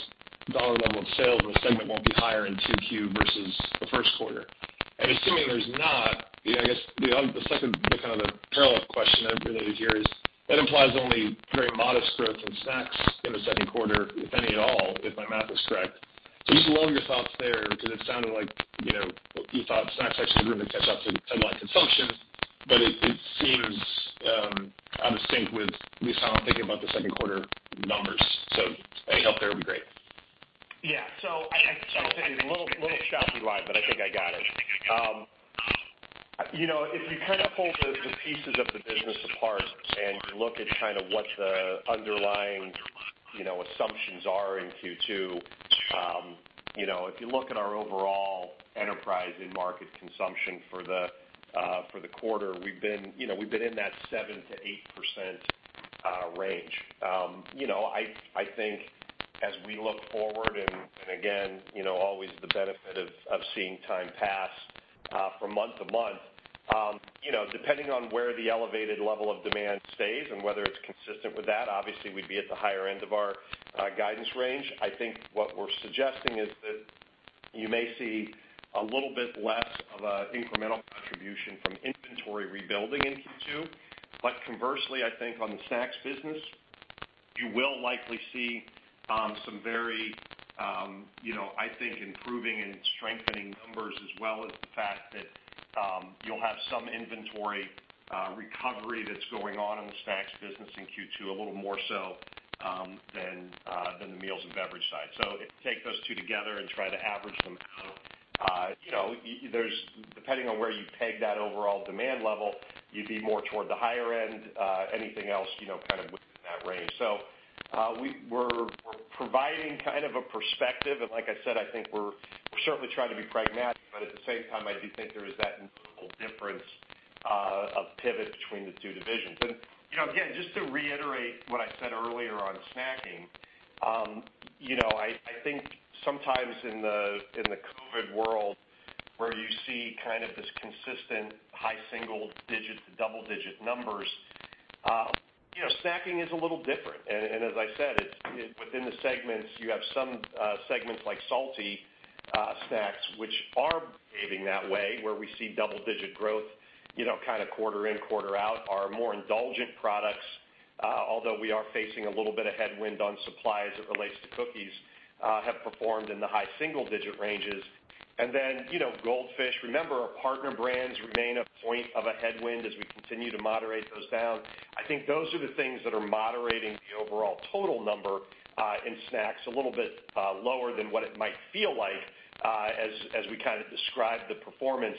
S10: level of sales in the segment won't be higher in 2Q versus the first quarter? Assuming there's not, I guess the second parallel question I have for you here is that implies only very modest growth in Snacks in the second quarter, if any at all, if my math is correct. Just a little of your thoughts there, because it sounded like you thought Snacks actually would really catch up to underlying consumption, but it seems out of sync with at least how I'm thinking about the second quarter numbers. Any help there would be great.
S3: Yeah. I'll say it's a little choppy ride, but I think I got it. If you pull the pieces of the business apart and look at what the underlying assumptions are in Q2, if you look at our overall enterprise in market consumption for the quarter, we've been in that 7%-8% range. I think as we look forward and again, always the benefit of seeing time pass from month to month, depending on where the elevated level of demand stays and whether it's consistent with that, obviously we'd be at the higher end of our guidance range. I think what we're suggesting is that you may see a little bit less of an incremental contribution from inventory rebuilding in Q2. Conversely, I think on the Snacks business, you will likely see some very, I think, improving and strengthening numbers as well as the fact that you'll have some inventory recovery that's going on in the Snacks business in Q2, a little more so than the meals and beverage side. Take those two together and try to average them out. Depending on where you peg that overall demand level, you'd be more toward the higher end. Anything else within that range. We're providing a perspective and like I said, I think we're certainly trying to be pragmatic, but at the same time, I do think there is that incremental difference of pivot between the two divisions. Again, just to reiterate what I said earlier on snacking, I think sometimes in the COVID world where you see this consistent high single digits to double-digit numbers, snacking is a little different. As I said, within the segments, you have some segments like salty Snacks, which are behaving that way, where we see double-digit growth quarter in, quarter out. Our more indulgent products, although we are facing a little bit of headwind on supply as it relates to cookies, have performed in the high single-digit ranges. Then Goldfish, remember, our partner brands remain a point of a headwind as we continue to moderate those down. I think those are the things that are moderating the overall total number in Snacks a little bit lower than what it might feel like as we describe the performance.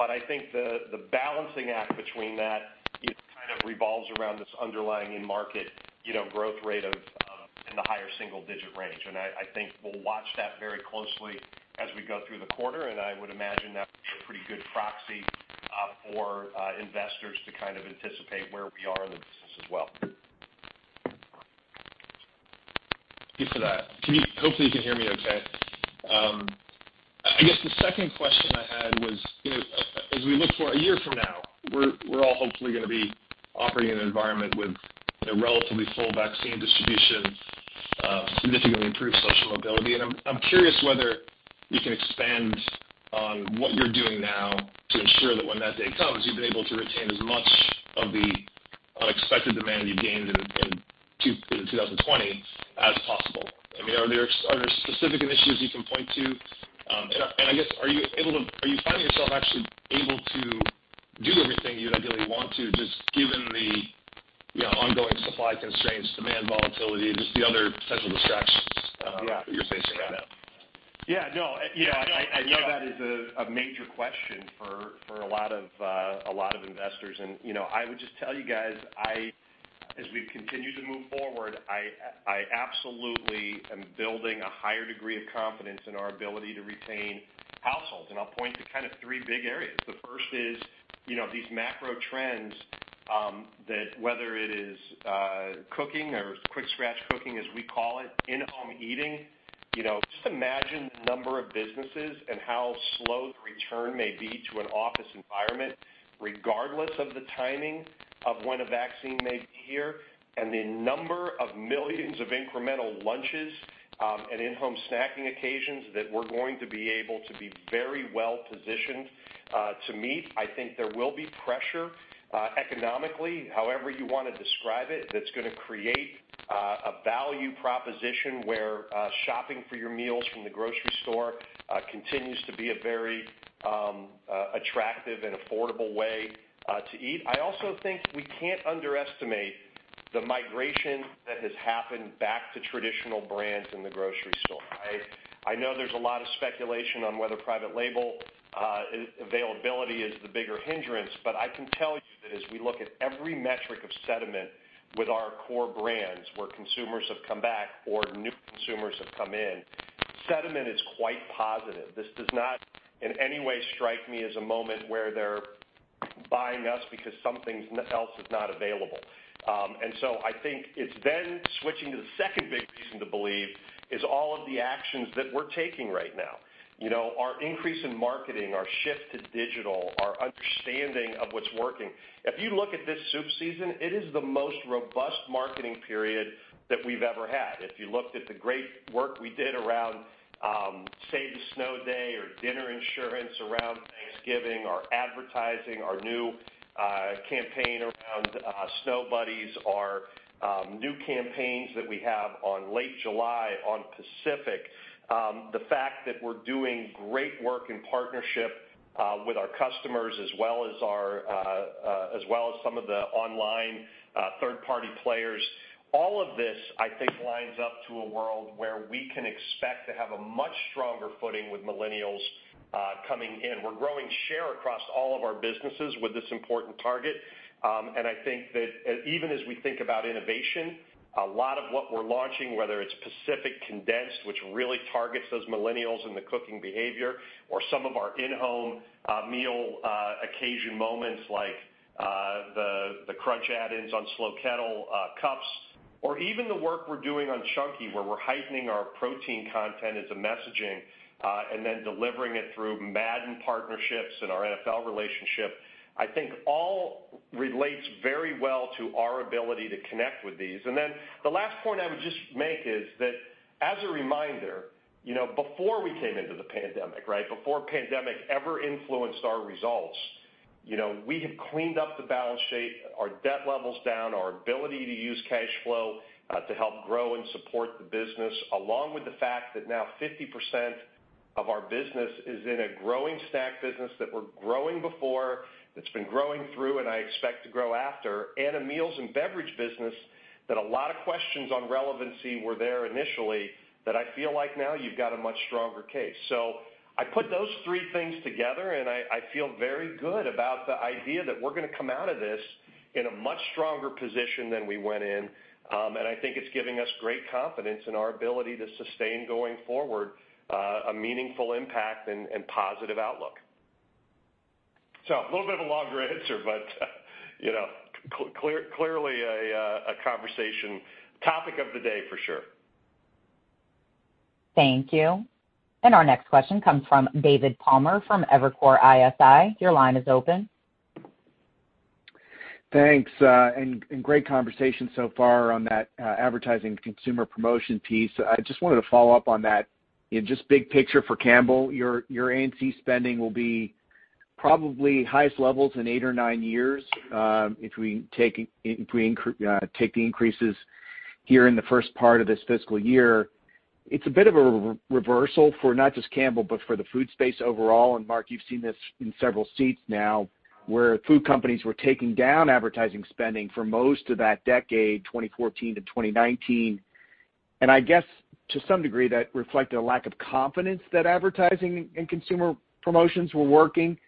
S3: I think the balancing act between that, it revolves around this underlying in-market growth rate in the higher single digit range. I think we'll watch that very closely as we go through the quarter, and I would imagine that would be a pretty good proxy for investors to kind of anticipate where we are in the business as well.
S10: Thanks for that. Hopefully you can hear me okay. The second question I had was, as we look for one year from now, we're all hopefully going to be operating in an environment with a relatively full vaccine distribution, significantly improved social mobility. I'm curious whether you can expand on what you're doing now to ensure that when that day comes, you've been able to retain as much of the unexpected demand you gained in 2020 as possible. Are there specific initiatives you can point to? Are you finding yourself actually able to do everything you'd ideally want to, just given the ongoing supply constraints, demand volatility, and just the other central distractions that you're facing right now?
S3: No. I know that is a major question for a lot of investors. I would just tell you guys, as we've continued to move forward, I absolutely am building a higher degree of confidence in our ability to retain households. I'll point to kind of three big areas. The first is these macro trends, that whether it is cooking or quick scratch cooking, as we call it, in-home eating. Just imagine the number of businesses and how slow the return may be to an office environment, regardless of the timing of when a vaccine may be here, and the number of millions of incremental lunches, and in-home snacking occasions that we're going to be able to be very well positioned to meet. I think there will be pressure, economically, however you want to describe it, that's going to create a value proposition where shopping for your meals from the grocery store continues to be a very attractive and affordable way to eat. I also think we can't underestimate the migration that has happened back to traditional brands in the grocery store. I know there's a lot of speculation on whether private label availability is the bigger hindrance, but I can tell you that as we look at every metric of sentiment with our core brands where consumers have come back or new consumers have come in, sentiment is quite positive. This does not in any way strike me as a moment where they're buying us because something else is not available. I think it's then switching to the second big reason to believe is all of the actions that we're taking right now. Our increase in marketing, our shift to digital, our understanding of what's working. If you look at this soup season, it is the most robust marketing period that we've ever had. If you looked at the great work we did around Save the Snow Day or Dinner Insurance around Thanksgiving, our advertising, our new campaign around Snowbuddy, our new campaigns that we have on Late July on Pacific. The fact that we're doing great work in partnership with our customers as well as some of the online third party players. All of this, I think, lines up to a world where we can expect to have a much stronger footing with millennials coming in. We're growing share across all of our businesses with this important target. I think that even as we think about innovation, a lot of what we're launching, whether it's Pacific Foods condensed, which really targets those millennials and the cooking behavior, or some of our in-home meal occasion moments like the Crunch add-ins on Slow Kettle Cups, or even the work we're doing on Chunky, where we're heightening our protein content as a messaging, and then delivering it through Madden partnerships and our NFL relationship, I think all relates very well to our ability to connect with these. The last point I would just make is that as a reminder, before we came into the pandemic, before pandemic ever influenced our results, we had cleaned up the balance sheet, our debt level's down, our ability to use cash flow to help grow and support the business, along with the fact that now 50% of our business is in a growing snack business that we're growing before, that's been growing through, and I expect to grow after, and a meals and beverage business that a lot of questions on relevancy were there initially, that I feel like now you've got a much stronger case. I put those three things together, and I feel very good about the idea that we're going to come out of this in a much stronger position than we went in. I think it's giving us great confidence in our ability to sustain going forward, a meaningful impact and positive outlook. A little bit of a longer answer, but clearly a conversation topic of the day for sure.
S1: Thank you. Our next question comes from David Palmer from Evercore ISI. Your line is open.
S11: Thanks. Great conversation so far on that advertising consumer promotion piece. I just wanted to follow up on that in just big picture for Campbell, your A&C spending will be probably highest levels in eight or nine years, if we take the increases here in the first part of this fiscal year. It's a bit of a reversal for not just Campbell, but for the food space overall. Mark, you've seen this in several seats now, where food companies were taking down advertising spending for most of that decade, 2014 to 2019. I guess to some degree, that reflected a lack of confidence that advertising and consumer promotions were working.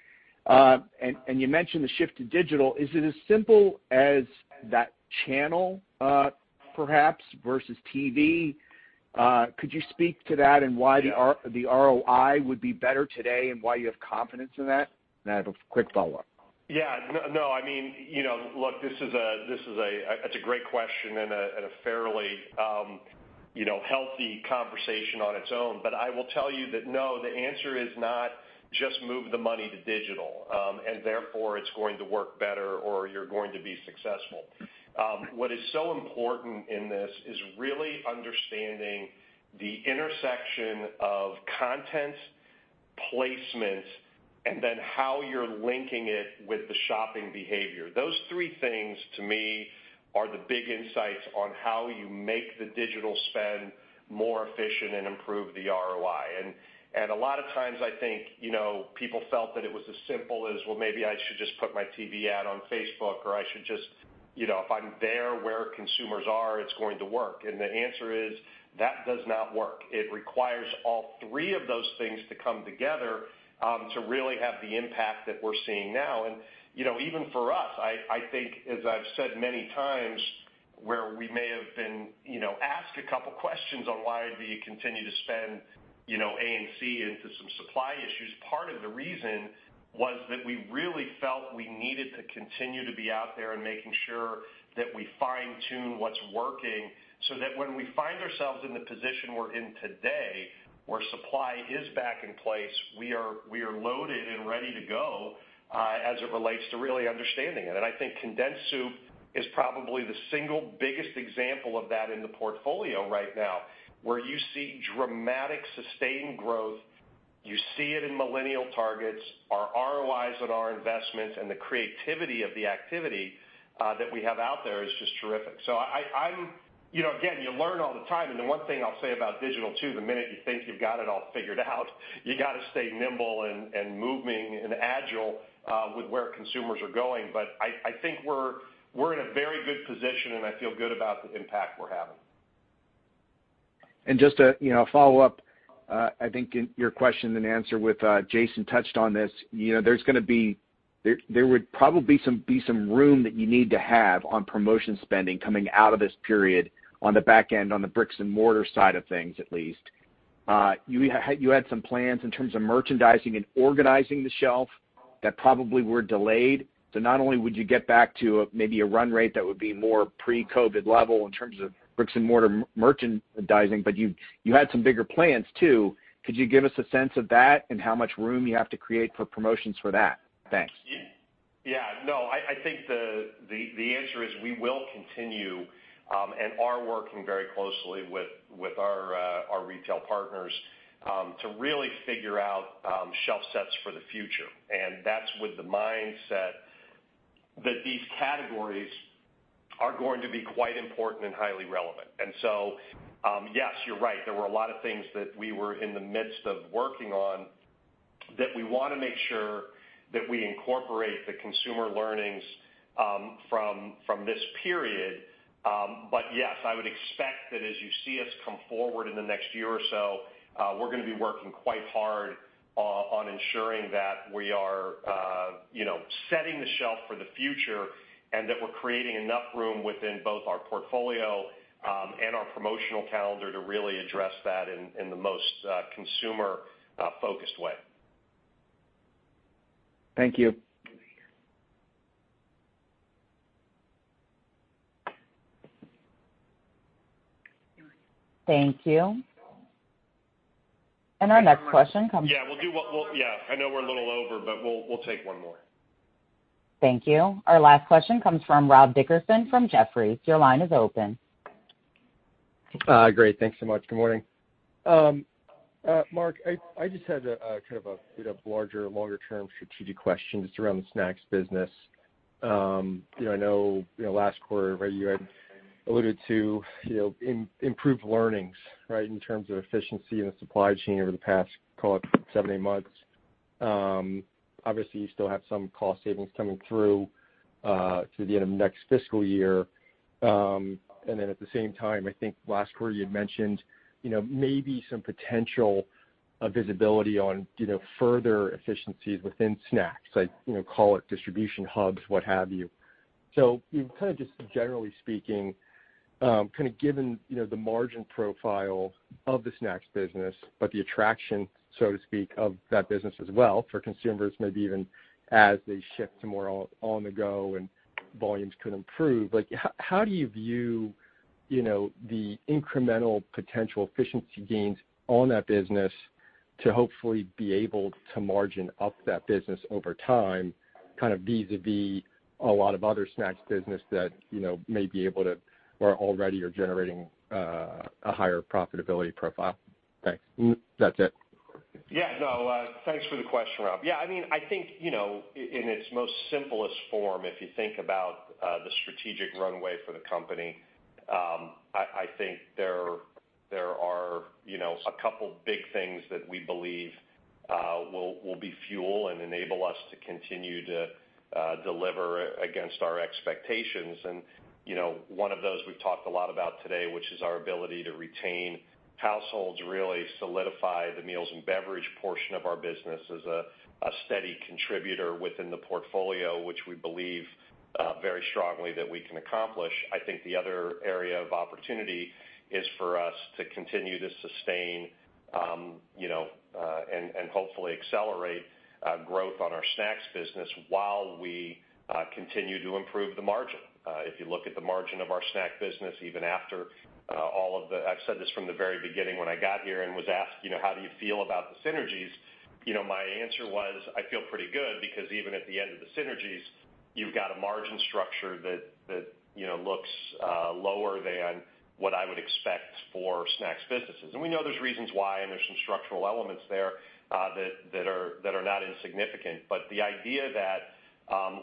S11: You mentioned the shift to digital. Is it as simple as that channel, perhaps, versus TV? Could you speak to that and why the ROI would be better today and why you have confidence in that? I have a quick follow-up.
S3: Yeah. No, look, that's a great question and a fairly healthy conversation on its own. I will tell you that no, the answer is not just move the money to digital, and therefore, it's going to work better, or you're going to be successful. What is so important in this is really understanding the intersection of content placement and then how you're linking it with the shopping behavior. Those three things, to me, are the big insights on how you make the digital spend more efficient and improve the ROI. A lot of times I think, people felt that it was as simple as, well, maybe I should just put my TV ad on Facebook, or if I'm there where consumers are, it's going to work. The answer is, that does not work. It requires all three of those things to come together, to really have the impact that we're seeing now. Even for us, I think as I've said many times, where we may have been asked a couple of questions on why do you continue to spend A&C into some supply issues, part of the reason was that we really felt we needed to continue to be out there and making sure that we fine-tune what's working, so that when we find ourselves in the position we're in today, where supply is back in place, we are loaded and ready to go as it relates to really understanding it. I think condensed soup is probably the single biggest example of that in the portfolio right now, where you see dramatic sustained growth. You see it in millennial targets, our ROIs on our investments, and the creativity of the activity that we have out there is just terrific. Again, you learn all the time. The one thing I'll say about digital, too, the minute you think you've got it all figured out, you got to stay nimble and moving and agile with where consumers are going. I think we're in a very good position, and I feel good about the impact we're having.
S11: Just to follow up, I think in your question and answer with Jason touched on this. There would probably be some room that you need to have on promotion spending coming out of this period on the back end, on the bricks and mortar side of things, at least. You had some plans in terms of merchandising and organizing the shelf that probably were delayed. Not only would you get back to maybe a run rate that would be more pre-COVID level in terms of bricks and mortar merchandising, but you had some bigger plans, too. Could you give us a sense of that and how much room you have to create for promotions for that? Thanks.
S3: Yeah. No, I think the answer is we will continue, and are working very closely with our retail partners, to really figure out shelf sets for the future. That's with the mindset that these categories are going to be quite important and highly relevant. Yes, you're right. There were a lot of things that we were in the midst of working on that we want to make sure that we incorporate the consumer learnings from this period. Yes, I would expect that as you see us come forward in the next year or so, we're going to be working quite hard on ensuring that we are setting the shelf for the future and that we're creating enough room within both our portfolio and our promotional calendar to really address that in the most consumer-focused way.
S11: Thank you.
S1: Thank you. Our next question.
S3: Yeah, I know we're a little over, but we'll take one more.
S1: Thank you. Our last question comes from Rob Dickerson from Jefferies. Your line is open.
S12: Great. Thanks so much. Good morning. Mark, I just had a larger, longer term strategic question just around the Snacks business. I know last quarter you had alluded to improved learnings, right, in terms of efficiency in the supply chain over the past, call it seven, eight months. Obviously, you still have some cost savings coming through to the end of next fiscal year. At the same time, I think last quarter you had mentioned maybe some potential visibility on further efficiencies within Snacks, call it distribution hubs, what have you. Just generally speaking, given the margin profile of the Snacks business, but the attraction, so to speak, of that business as well for consumers, maybe even as they shift to more on-the-go and volumes could improve. How do you view the incremental potential efficiency gains on that business to hopefully be able to margin up that business over time, vis-a-vis a lot of other Snacks business that may be able to or already are generating a higher profitability profile? Thanks. That's it.
S3: Yeah. No, thanks for the question, Rob. Yeah, I think, in its simplest form, if you think about the strategic runway for the company, I think there are a couple big things that we believe will be fuel and enable us to continue to deliver against our expectations. One of those we've talked a lot about today, which is our ability to retain households, really solidify the meals and beverage portion of our business as a steady contributor within the portfolio, which we believe very strongly that we can accomplish. I think the other area of opportunity is for us to continue to sustain, and hopefully accelerate growth on our Snacks business while we continue to improve the margin. If you look at the margin of our snack business, I've said this from the very beginning when I got here and was asked, "How do you feel about the synergies?" My answer was, "I feel pretty good," because even at the end of the synergies, you've got a margin structure that looks lower than what I would expect for Snacks businesses. We know there's reasons why, and there's some structural elements there that are not insignificant. The idea that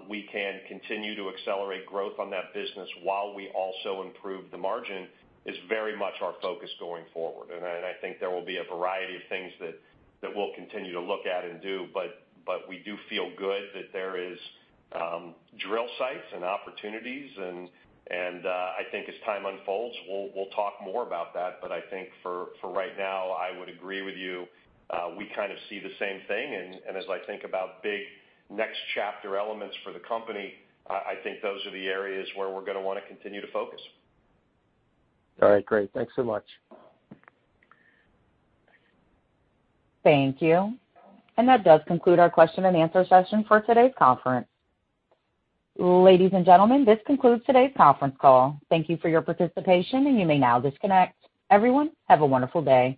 S3: we can continue to accelerate growth on that business while we also improve the margin is very much our focus going forward. I think there will be a variety of things that we'll continue to look at and do, but we do feel good that there is drill sites and opportunities, and I think as time unfolds, we'll talk more about that. I think for right now, I would agree with you. We kind of see the same thing, and as I think about big next chapter elements for the company, I think those are the areas where we're going to want to continue to focus.
S12: All right, great. Thanks so much.
S1: Thank you. That does conclude our question and answer session for today's conference. Ladies and gentlemen, this concludes today's conference call. Thank you for your participation, and you may now disconnect. Everyone, have a wonderful day.